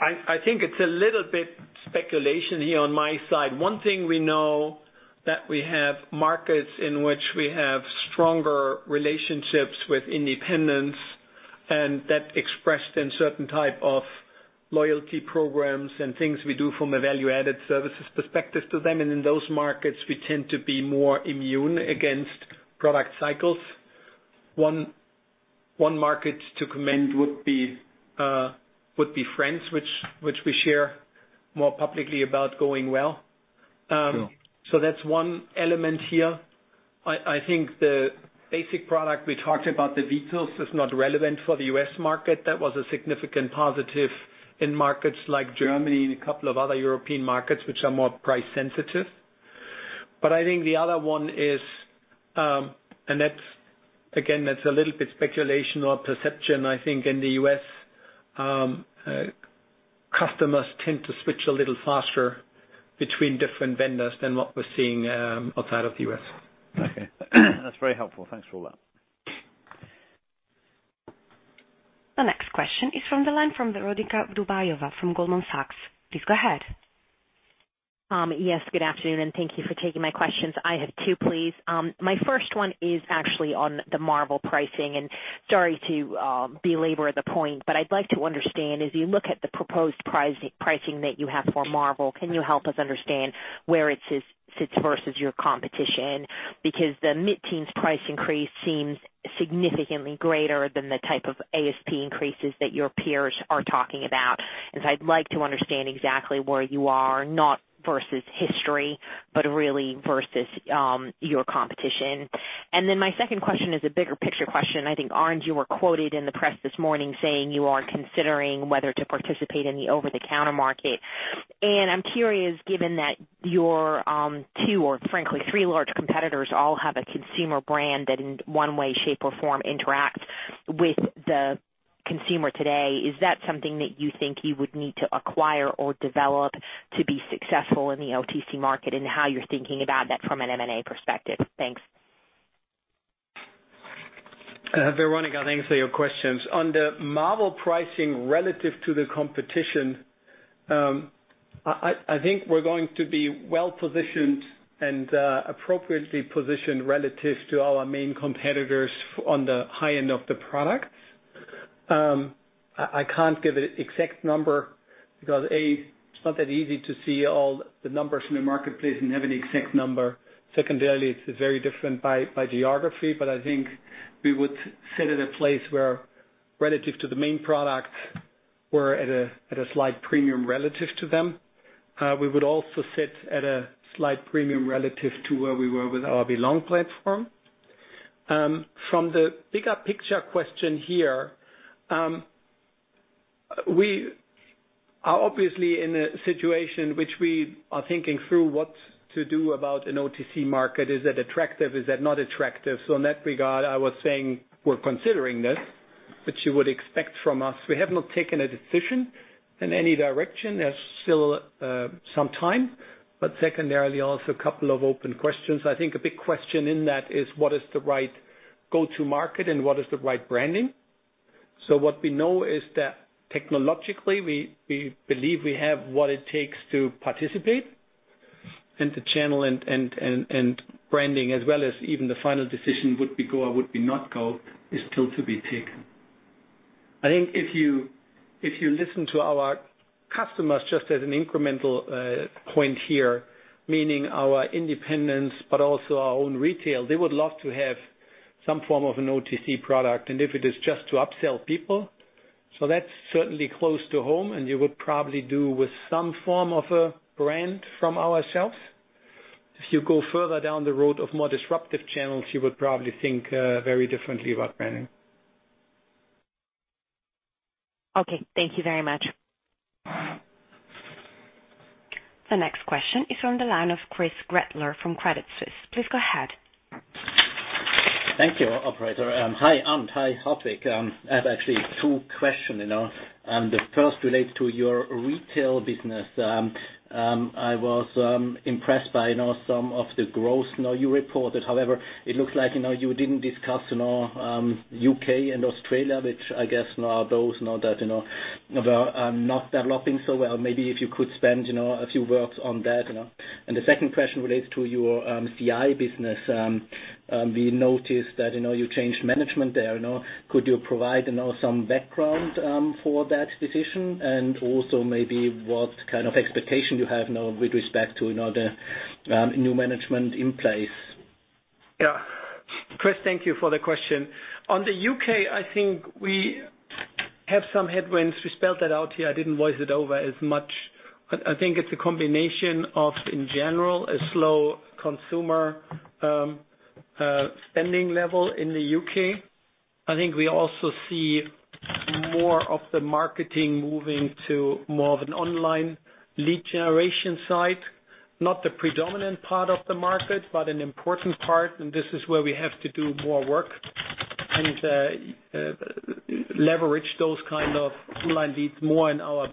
I think it's a little bit speculation here on my side. One thing we know that we have markets in which we have stronger relationships with independents, and that expressed in certain type of loyalty programs and things we do from a value-added services perspective to them. In those markets, we tend to be more immune against product cycles. One market to commend would be France, which we share more publicly about going well. Sure. That's one element here. I think the basic product we talked about, the Vitus, is not relevant for the U.S. market. That was a significant positive in markets like Germany and a couple of other European markets, which are more price sensitive. I think the other one is, and again, that's a little bit speculation or perception, I think in the U.S., customers tend to switch a little faster between different vendors than what we're seeing outside of the U.S. Okay. That's very helpful. Thanks for all that. The next question is from the line from Veronika Dubajova from Goldman Sachs. Please go ahead. Yes, good afternoon, thank you for taking my questions. I have two, please. My first one is actually on the Marvel pricing. Sorry to belabor the point, but I'd like to understand, as you look at the proposed pricing that you have for Marvel, can you help us understand where it sits versus your competition? The mid-teens price increase seems significantly greater than the type of ASP increases that your peers are talking about. I'd like to understand exactly where you are, not versus history, but really versus your competition. My second question is a bigger picture question. I think, Arnd, you were quoted in the press this morning saying you are considering whether to participate in the over-the-counter market. I'm curious, given that your two or frankly three large competitors all have a consumer brand that in one way, shape, or form interacts with the consumer today, is that something that you think you would need to acquire or develop to be successful in the OTC market, and how you're thinking about that from an M&A perspective? Thanks. Veronika, thanks for your questions. On the Marvel pricing relative to the competition, I think we're going to be well-positioned and appropriately positioned relative to our main competitors on the high end of the products. I can't give an exact number because, A, it's not that easy to see all the numbers in the marketplace and have an exact number. Secondarily, it's very different by geography, but I think we would sit at a place where relative to the main products, we're at a slight premium relative to them. We would also sit at a slight premium relative to where we were with our Belong platform. From the bigger picture question here, we are obviously in a situation which we are thinking through what to do about an OTC market. Is that attractive? Is that not attractive? In that regard, I was saying we're considering this, which you would expect from us. We have not taken a decision in any direction. There's still some time, but secondarily, also a couple of open questions. I think a big question in that is what is the right go-to market and what is the right branding? What we know is that technologically, we believe we have what it takes to participate and to channel and branding as well as even the final decision, would we go or would we not go, is still to be taken. I think if you listen to our customers, just as an incremental point here, meaning our independents, but also our own retail, they would love to have some form of an OTC product, and if it is just to upsell people. That's certainly close to home, and you would probably do with some form of a brand from ourselves. If you go further down the road of more disruptive channels, you would probably think very differently about branding. Okay, thank you very much. The next question is from the line of Christ Gretler from Credit Suisse. Please go ahead. Thank you, operator. Hi, Arnd. Hi, Hartwig. I have actually two question. The first relates to your retail business. I was impressed by some of the growth you reported. However, it looks like you didn't discuss U.K. and Australia, which I guess those now that are not developing so well. Maybe if you could spend a few words on that. The second question relates to your CI business. We noticed that you changed management there. Could you provide some background for that decision? And also maybe what kind of expectation you have now with respect to the new management in place. Yeah. Christ, thank you for the question. On the U.K., I think we have some headwinds. We spelled that out here. I didn't voice it over as much, but I think it's a combination of, in general, a slow consumer spending level in the U.K. I think we also see more of the marketing moving to more of an online lead generation site, not the predominant part of the market, but an important part, and this is where we have to do more work and leverage those kind of online leads more in our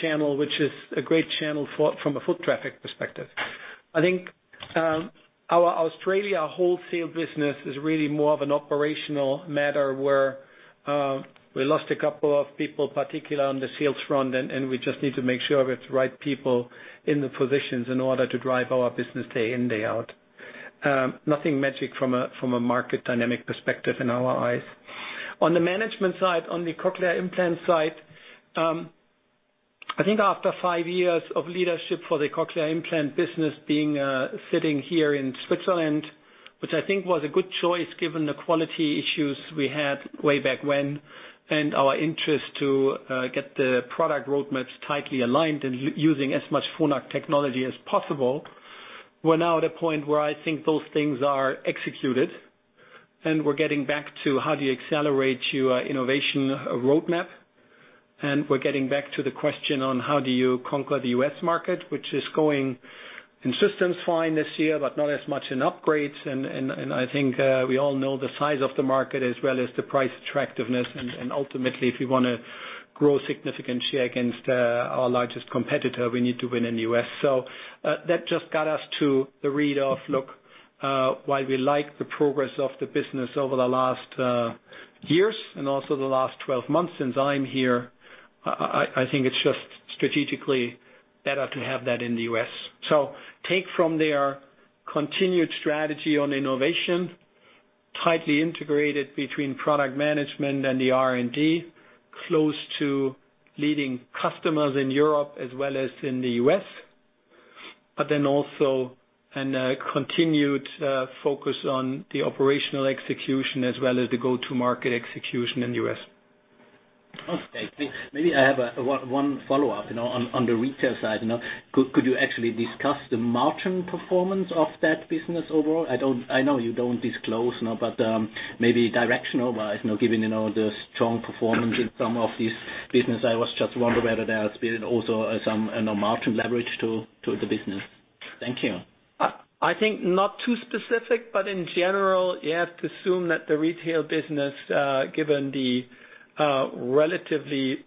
channel, which is a great channel from a foot traffic perspective. I think our Australia wholesale business is really more of an operational matter, where we lost a couple of people, particularly on the sales front, and we just need to make sure we have the right people in the positions in order to drive our business day in, day out. Nothing magic from a market dynamic perspective in our eyes. On the management side, on the cochlear implant side, I think after five years of leadership for the cochlear implant business being, sitting here in Switzerland, which I think was a good choice given the quality issues we had way back when, and our interest to get the product roadmaps tightly aligned and using as much Phonak technology as possible. We're now at a point where I think those things are executed. We're getting back to how do you accelerate your innovation roadmap. We're getting back to the question on how do you conquer the U.S. market, which is going in systems fine this year, but not as much in upgrades. I think we all know the size of the market as well as the price attractiveness. Ultimately, if we want to grow significant share against our largest competitor, we need to win in the U.S. That just got us to the read of, look, while we like the progress of the business over the last years and also the last 12 months since I'm here, I think it's just strategically better to have that in the U.S. Take from their continued strategy on innovation, tightly integrated between product management and the R&D, close to leading customers in Europe as well as in the U.S. Also a continued focus on the operational execution as well as the go-to-market execution in the U.S. Okay. Maybe I have one follow-up on the retail side. Could you actually discuss the margin performance of that business overall? I know you don't disclose now, but maybe directional-wise now, given the strong performance in some of these business, I was just wonder whether there has been also some margin leverage to the business. Thank you. I think not too specific, but in general, you have to assume that the retail business, given the relatively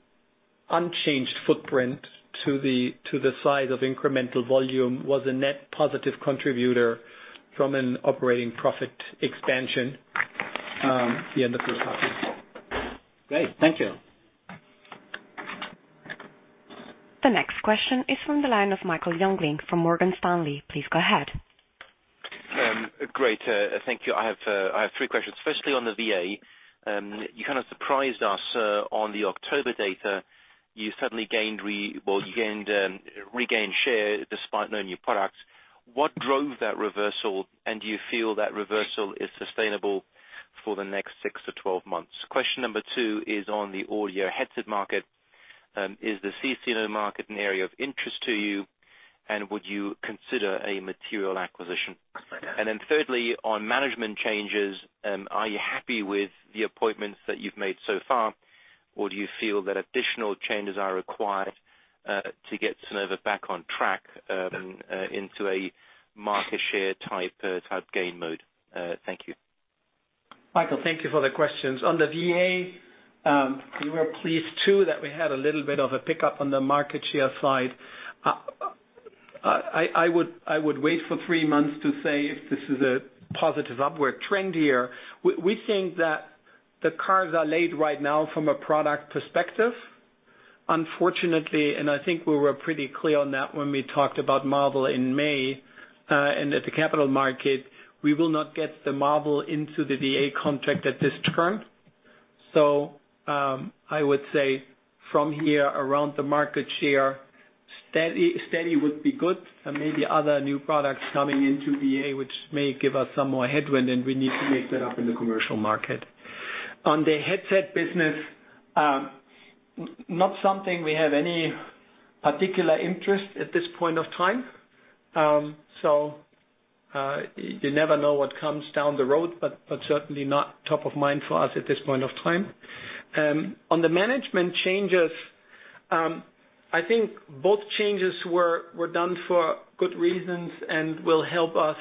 unchanged footprint to the size of incremental volume, was a net positive contributor from an operating profit expansion the end of this half year. Great. Thank you. The next question is from the line of Michael Jüngling from Morgan Stanley. Please go ahead. Great. Thank you. I have three questions, firstly on the VA. You kind of surprised us on the October data. You suddenly regained share despite no new products. What drove that reversal, and do you feel that reversal is sustainable for the next six to 12 months? Question number two is on the audio headset market. Is the CCUS market an area of interest to you, and would you consider a material acquisition? Then thirdly, on management changes, are you happy with the appointments that you've made so far, or do you feel that additional changes are required, to get Sonova back on track into a market share type gain mode? Thank you. Michael, thank you for the questions. On the VA, we were pleased too that we had a little bit of a pickup on the market share side. I would wait for three months to say if this is a positive upward trend here. We think that the cards are laid right now from a product perspective. Unfortunately, and I think we were pretty clear on that when we talked about Marvel in May, and at the capital market, we will not get the Marvel into the VA contract at this term. I would say from here around the market share, steady would be good and maybe other new products coming into VA, which may give us some more headwind, and we need to make that up in the commercial market. On the headset business, not something we have any particular interest at this point of time. You never know what comes down the road, but certainly not top of mind for us at this point of time. On the management changes, I think both changes were done for good reasons and will help us,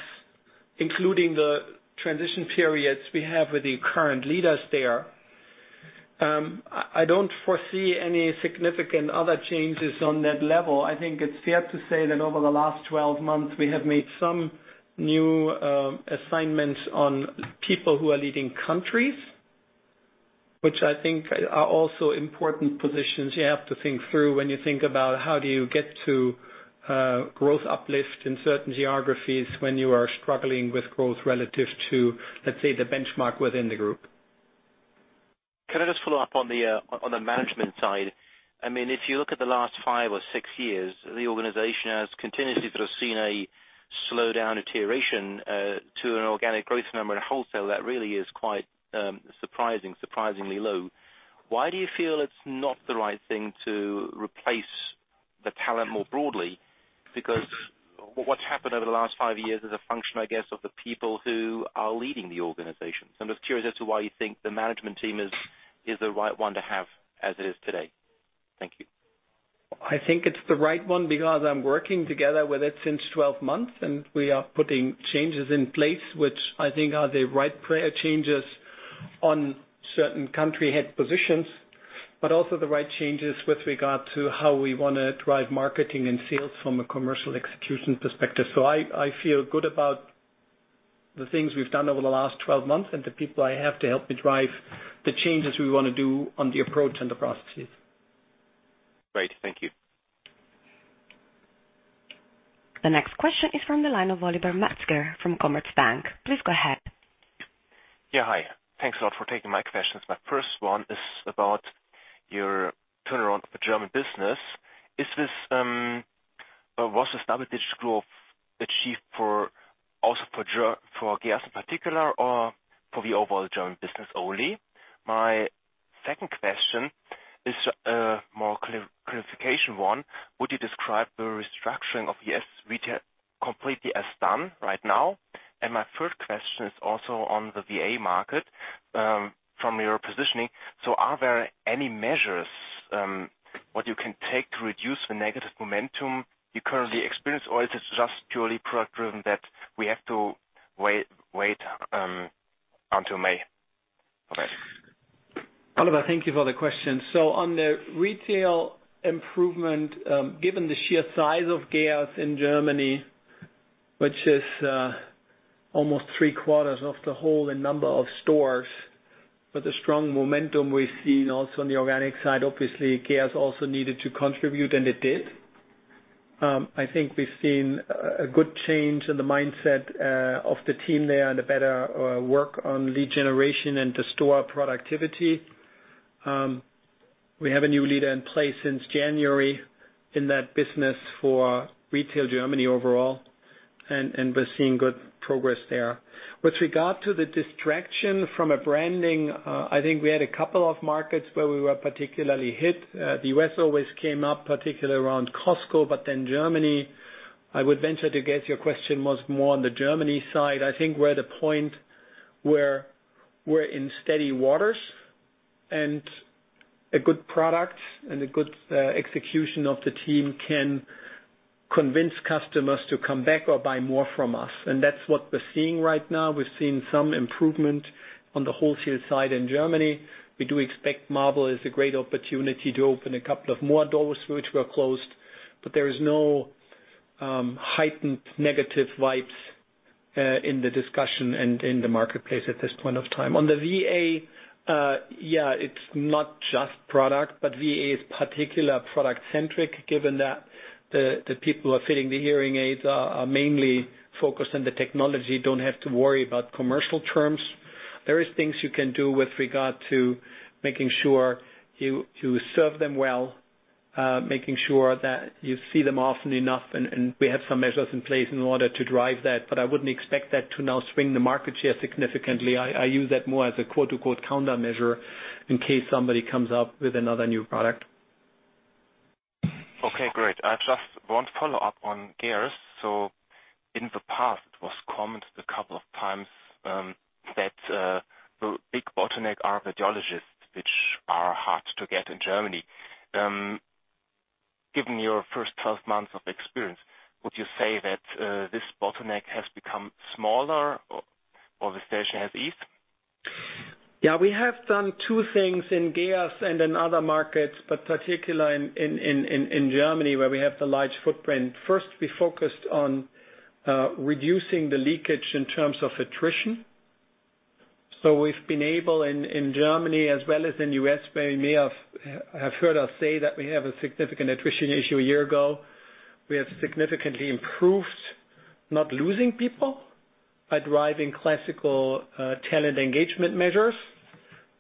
including the transition periods we have with the current leaders there. I don't foresee any significant other changes on that level. I think it's fair to say that over the last 12 months, we have made some new assignments on people who are leading countries, which I think are also important positions you have to think through when you think about how do you get to growth uplift in certain geographies when you are struggling with growth relative to, let's say, the benchmark within the group. Can I just follow up on the management side? If you look at the last five or six years, the organization has continuously sort of seen a slowdown deterioration to an organic growth number in wholesale that really is quite surprisingly low. Why do you feel it's not the right thing to replace the talent more broadly? Because what's happened over the last five years is a function, I guess, of the people who are leading the organization. I'm just curious as to why you think the management team is the right one to have as it is today. Thank you. I think it's the right one because I'm working together with it since 12 months, and we are putting changes in place, which I think are the right changes on certain country head positions, but also the right changes with regard to how we want to drive marketing and sales from a commercial execution perspective. I feel good about the things we've done over the last 12 months and the people I have to help me drive the changes we want to do on the approach and the processes. Great. Thank you. The next question is from the line of Oliver Metzger from Commerzbank. Please go ahead. Yeah. Hi. Thanks a lot for taking my questions. My first one is about your turnaround of the German business. Was this double-digit growth achieved also for GEERS in particular or for the overall German business only? My second question is a more clarification one. Would you describe the restructuring of GEERS retail completely as done right now? My third question is also on the VA market, from your positioning. Are there any measures, what you can take to reduce the negative momentum you currently experience, or is this just purely product-driven that we have to wait until May? Over. Oliver, thank you for the question. On the retail improvement, given the sheer size of GEERS in Germany, which is almost three-quarters of the whole number of stores, with the strong momentum we've seen also on the organic side, obviously GEERS also needed to contribute, and it did. I think we've seen a good change in the mindset of the team there and a better work on lead generation and the store productivity. We have a new leader in place since January in that business for retail Germany overall, and we're seeing good progress there. With regard to the distraction from a branding, I think we had a couple of markets where we were particularly hit. The U.S. always came up, particularly around Costco, Germany, I would venture to guess your question was more on the Germany side. I think we're at a point where we're in steady waters and a good product and a good execution of the team can convince customers to come back or buy more from us. That's what we're seeing right now. We've seen some improvement on the wholesale side in Germany. We do expect Marvel as a great opportunity to open a couple of more doors which were closed, there is no heightened negative vibes in the discussion and in the marketplace at this point of time. On the VA, yeah, it's not just product, VA is particular product-centric, given that the people who are fitting the hearing aids are mainly focused on the technology, don't have to worry about commercial terms. There is things you can do with regard to making sure you serve them well, making sure that you see them often enough, and we have some measures in place in order to drive that, but I wouldn't expect that to now swing the market share significantly. I use that more as a quote unquote "countermeasure" in case somebody comes up with another new product. Okay, great. I just want to follow up on GEERS. In the past, it was commented a couple of times, that the big bottleneck are audiologists, which are hard to get in Germany. Given your first 12 months of experience, would you say that this bottleneck has become smaller or the situation has eased? Yeah, we have done two things in GEERS and in other markets, but particular in Germany where we have the large footprint. First, we focused on reducing the leakage in terms of attrition. We've been able in Germany as well as in U.S., where you may have heard us say that we have a significant attrition issue a year ago. We have significantly improved not losing people by driving classical talent engagement measures.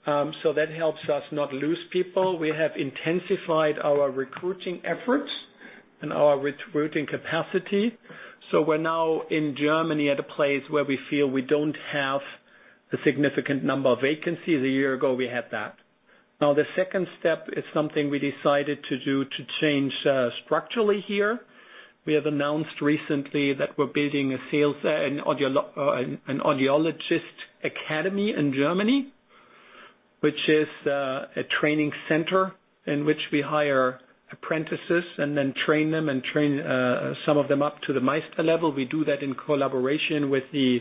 That helps us not lose people. We have intensified our recruiting efforts and our recruiting capacity. We're now in Germany at a place where we feel we don't have a significant number of vacancies. A year ago, we had that. The second step is something we decided to do to change structurally here. We have announced recently that we're building an audiologist academy in Germany, which is a training center in which we hire apprentices and then train them and train some of them up to the Meister level. We do that in collaboration with the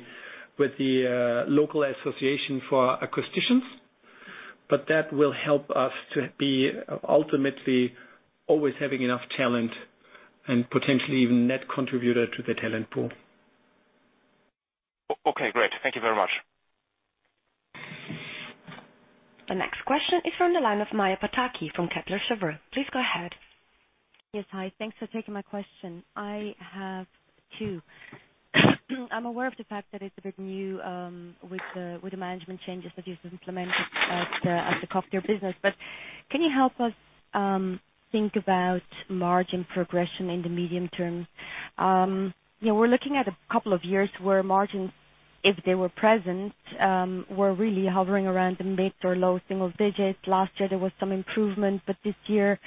local association for acousticians. That will help us to be ultimately always having enough talent and potentially even net contributor to the talent pool. Okay, great. Thank you very much. The next question is from the line of Maja Pataki from Kepler Cheuvreux. Please go ahead. Yes. Hi. Thanks for taking my question. I have two. I'm aware of the fact that it's a bit new with the management changes that you've implemented at the Cochlear business. Can you help us think about margin progression in the medium-term? We're looking at a couple of years where margins, if they were present, were really hovering around the mid or low single digits. Last year there was some improvement, but this year,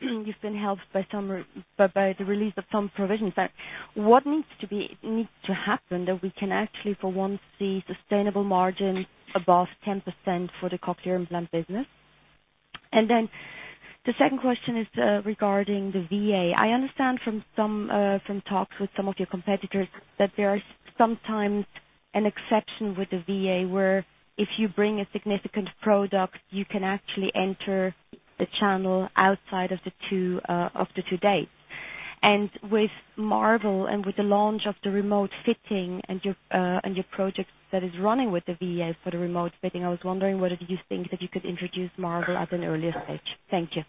you've been helped by the release of some provisions there. What needs to happen that we can actually for once see sustainable margin above 10% for the Cochlear Implant business? The second question is regarding the VA. I understand from talks with some of your competitors that there is sometimes an exception with the VA, where if you bring a significant product, you can actually enter the channel outside of the two dates. With Marvel and with the launch of the remote fitting and your project that is running with the VA for the remote fitting, I was wondering whether you think that you could introduce Marvel at an earlier stage. Thank you.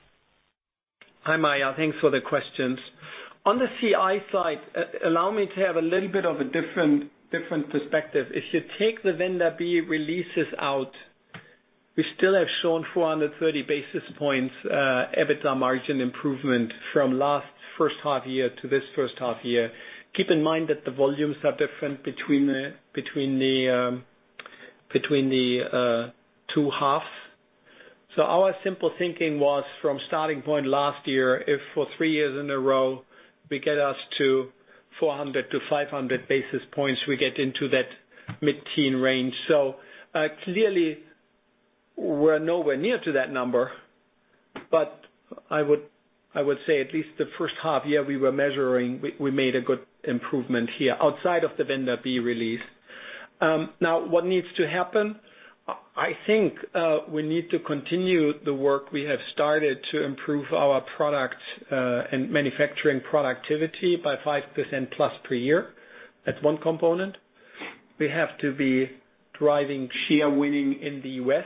Hi, Maja. Thanks for the questions. On the CI side, allow me to have a little bit of a different perspective. If you take the Vendor B releases out, we still have shown 430 basis points EBITDA margin improvement from last first half year to this first half year. Keep in mind that the volumes are different between the two halves. Our simple thinking was from starting point last year, if for three years in a row, we get us to 400-500 basis points, we get into that mid-teen range. Clearly we're nowhere near to that number, but I would say at least the first half year we were measuring, we made a good improvement here outside of the Vendor B release. What needs to happen? I think we need to continue the work we have started to improve our product and manufacturing productivity by 5% plus per year. That's one component. We have to be driving share winning in the U.S.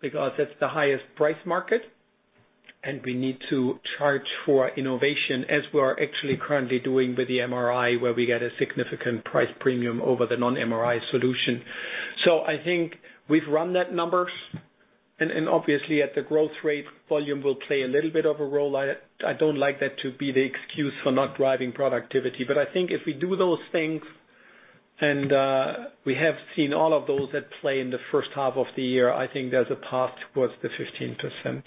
because that's the highest price market, and we need to charge for innovation as we are actually currently doing with the MRI, where we get a significant price premium over the non-MRI solution. I think we've run that numbers and obviously at the growth rate, volume will play a little bit of a role. I don't like that to be the excuse for not driving productivity. I think if we do those things, and we have seen all of those at play in the first half of the year, I think there's a path towards the 15%.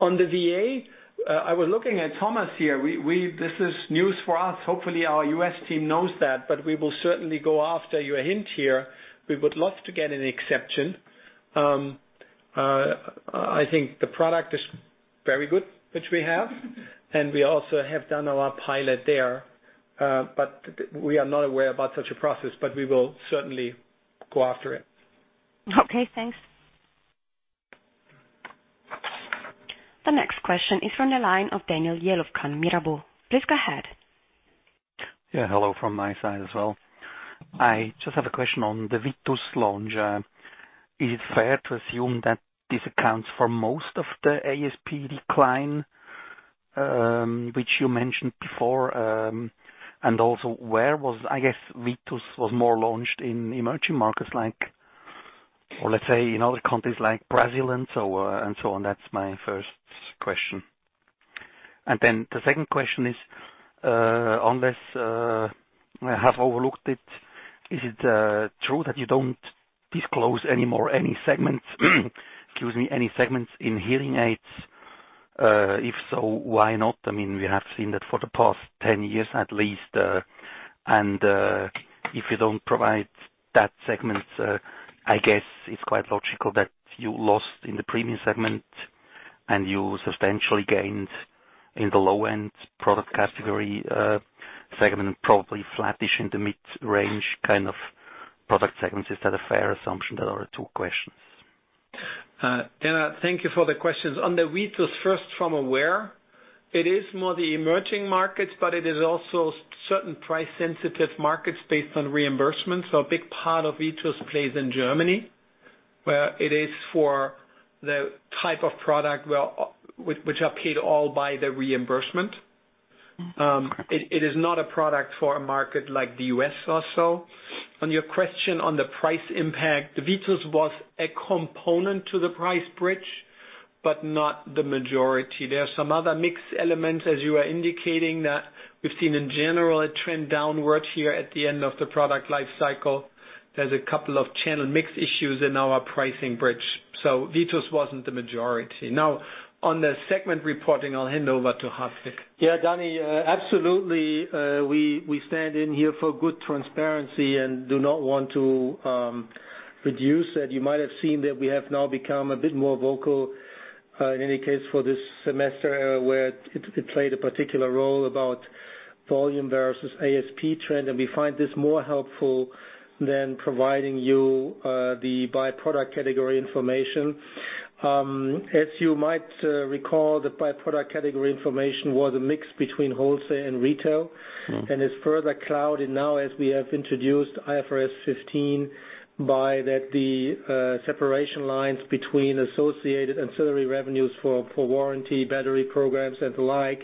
On the VA, I was looking at Thomas here. This is news for us. Hopefully our U.S. team knows that, we will certainly go after your hint here. We would love to get an exception. I think the product is very good, which we have, and we also have done our pilot there. We are not aware about such a process, we will certainly go after it. Okay, thanks. The next question is from the line of Daniel Jelovcan, Mirabaud. Please go ahead. Yeah. Hello from my side as well. I just have a question on the Vitus launch. Is it fair to assume that this accounts for most of the ASP decline, which you mentioned before? Where was Vitus more launched in emerging markets like, or let's say, in other countries like Brazil and so on. That's my first question. The second question is, unless I have overlooked it, is it true that you don't disclose any more any segments, excuse me, any segments in hearing aids? If so, why not? We have seen that for the past 10 years at least. If you don't provide that segment, I guess it's quite logical that you lost in the premium segment and you substantially gained in the low-end product category segment, probably flattish in the mid-range kind of product segments. Is that a fair assumption? There are two questions. Daniel, thank you for the questions. On the Vitus first from where, it is more the emerging markets, but it is also certain price-sensitive markets based on reimbursement. A big part of Vitus plays in Germany, where it is for the type of product which are paid all by the reimbursement. Okay. It is not a product for a market like the U.S. or so. On your question on the price impact, the Vitus was a component to the price bridge, but not the majority. There are some other mix elements, as you are indicating, that we've seen in general a trend downwards here at the end of the product life cycle. There's a couple of channel mix issues in our pricing bridge. Vitus wasn't the majority. On the segment reporting, I'll hand over to Hartwig. Daniel, absolutely, we stand in here for good transparency and do not want to reduce that. You might have seen that we have now become a bit more vocal, in any case for this semester, where it played a particular role about volume versus ASP trend, and we find this more helpful than providing you the by-product category information. As you might recall, the by-product category information was a mix between wholesale and retail, and it's further clouded now as we have introduced IFRS 15 by that the separation lines between associated ancillary revenues for warranty battery programs and the like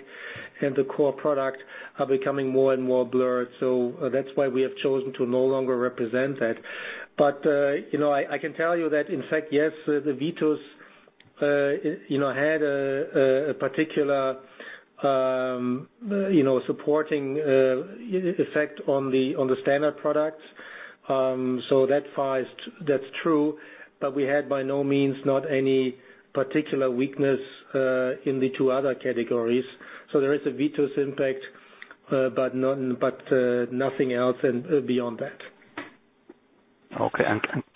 and the core product are becoming more and more blurred. That's why we have chosen to no longer represent that. I can tell you that in fact, yes, the Vitus had a particular supporting effect on the standard products. That's true. We had by no means not any particular weakness in the two other categories. There is a Vitus impact, but nothing else beyond that.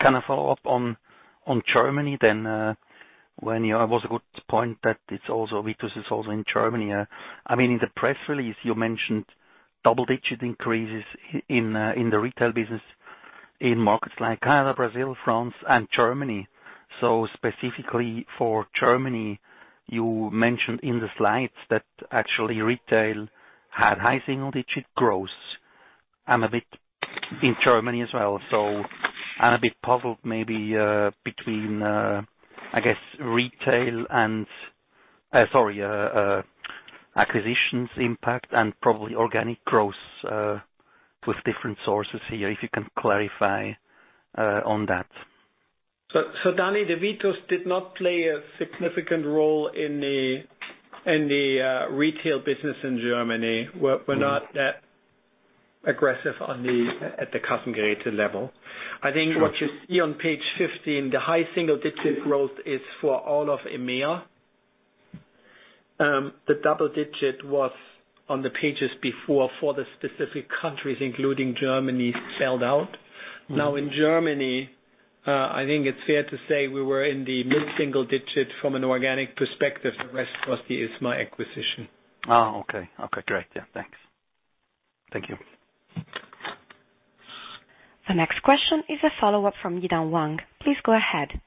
Can I follow up on Germany then? It was a good point that Vitus is also in Germany. In the press release, you mentioned double-digit increases in the retail business in markets like Canada, Brazil, France and Germany. Specifically for Germany, you mentioned in the slides that actually retail had high single-digit growth and a bit in Germany as well. I'm a bit puzzled maybe between, I guess, retail and Sorry, acquisitions impact and probably organic growth with different sources here, if you can clarify on that. Daniel, the Vitus did not play a significant role in the retail business in Germany. We're not that aggressive at the customer grade level. I think what you see on page 15, the high single-digit growth is for all of EMEA. The double-digit was on the pages before for the specific countries, including Germany, spelled out. In Germany, I think it's fair to say we were in the mid-single-digit from an organic perspective. The rest was the ISMA acquisition. Okay. Great. Thanks. Thank you. The next question is a follow-up from Yi-Dan Wang. Please go ahead.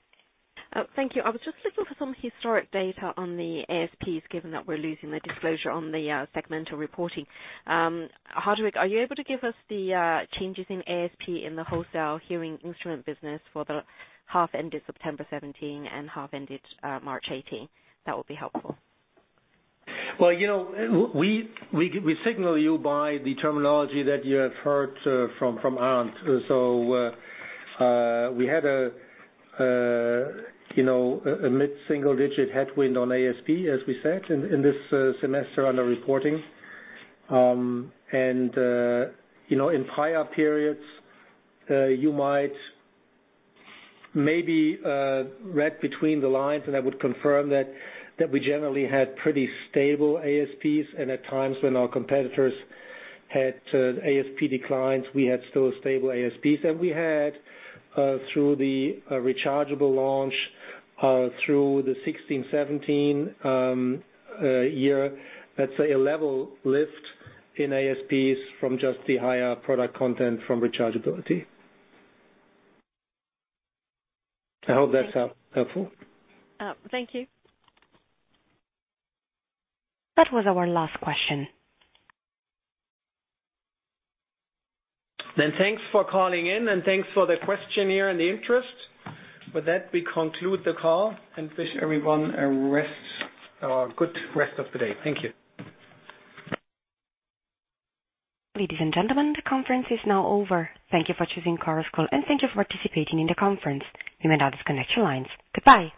Thank you. I was just looking for some historic data on the ASPs, given that we're losing the disclosure on the segmental reporting. Hartwig, are you able to give us the changes in ASP in the wholesale hearing instrument business for the half ended September 2017 and half ended March 2018? That would be helpful. We signal you by the terminology that you have heard from Arnd. We had a mid-single digit headwind on ASP, as we said, in this semester under reporting. In prior periods, you might maybe read between the lines, and I would confirm that we generally had pretty stable ASPs, and at times when our competitors had ASP declines, we had still stable ASPs. We had through the rechargeable launch through the 2016-2017 year, let's say, a level lift in ASPs from just the higher product content from rechargeability. I hope that's helpful. Thank you. That was our last question. Thanks for calling in, and thanks for the questionnaire and the interest. With that, we conclude the call and wish everyone a good rest of the day. Thank you. Ladies and gentlemen, the conference is now over. Thank you for choosing Chorus Call, and thank you for participating in the conference. You may now disconnect your lines. Goodbye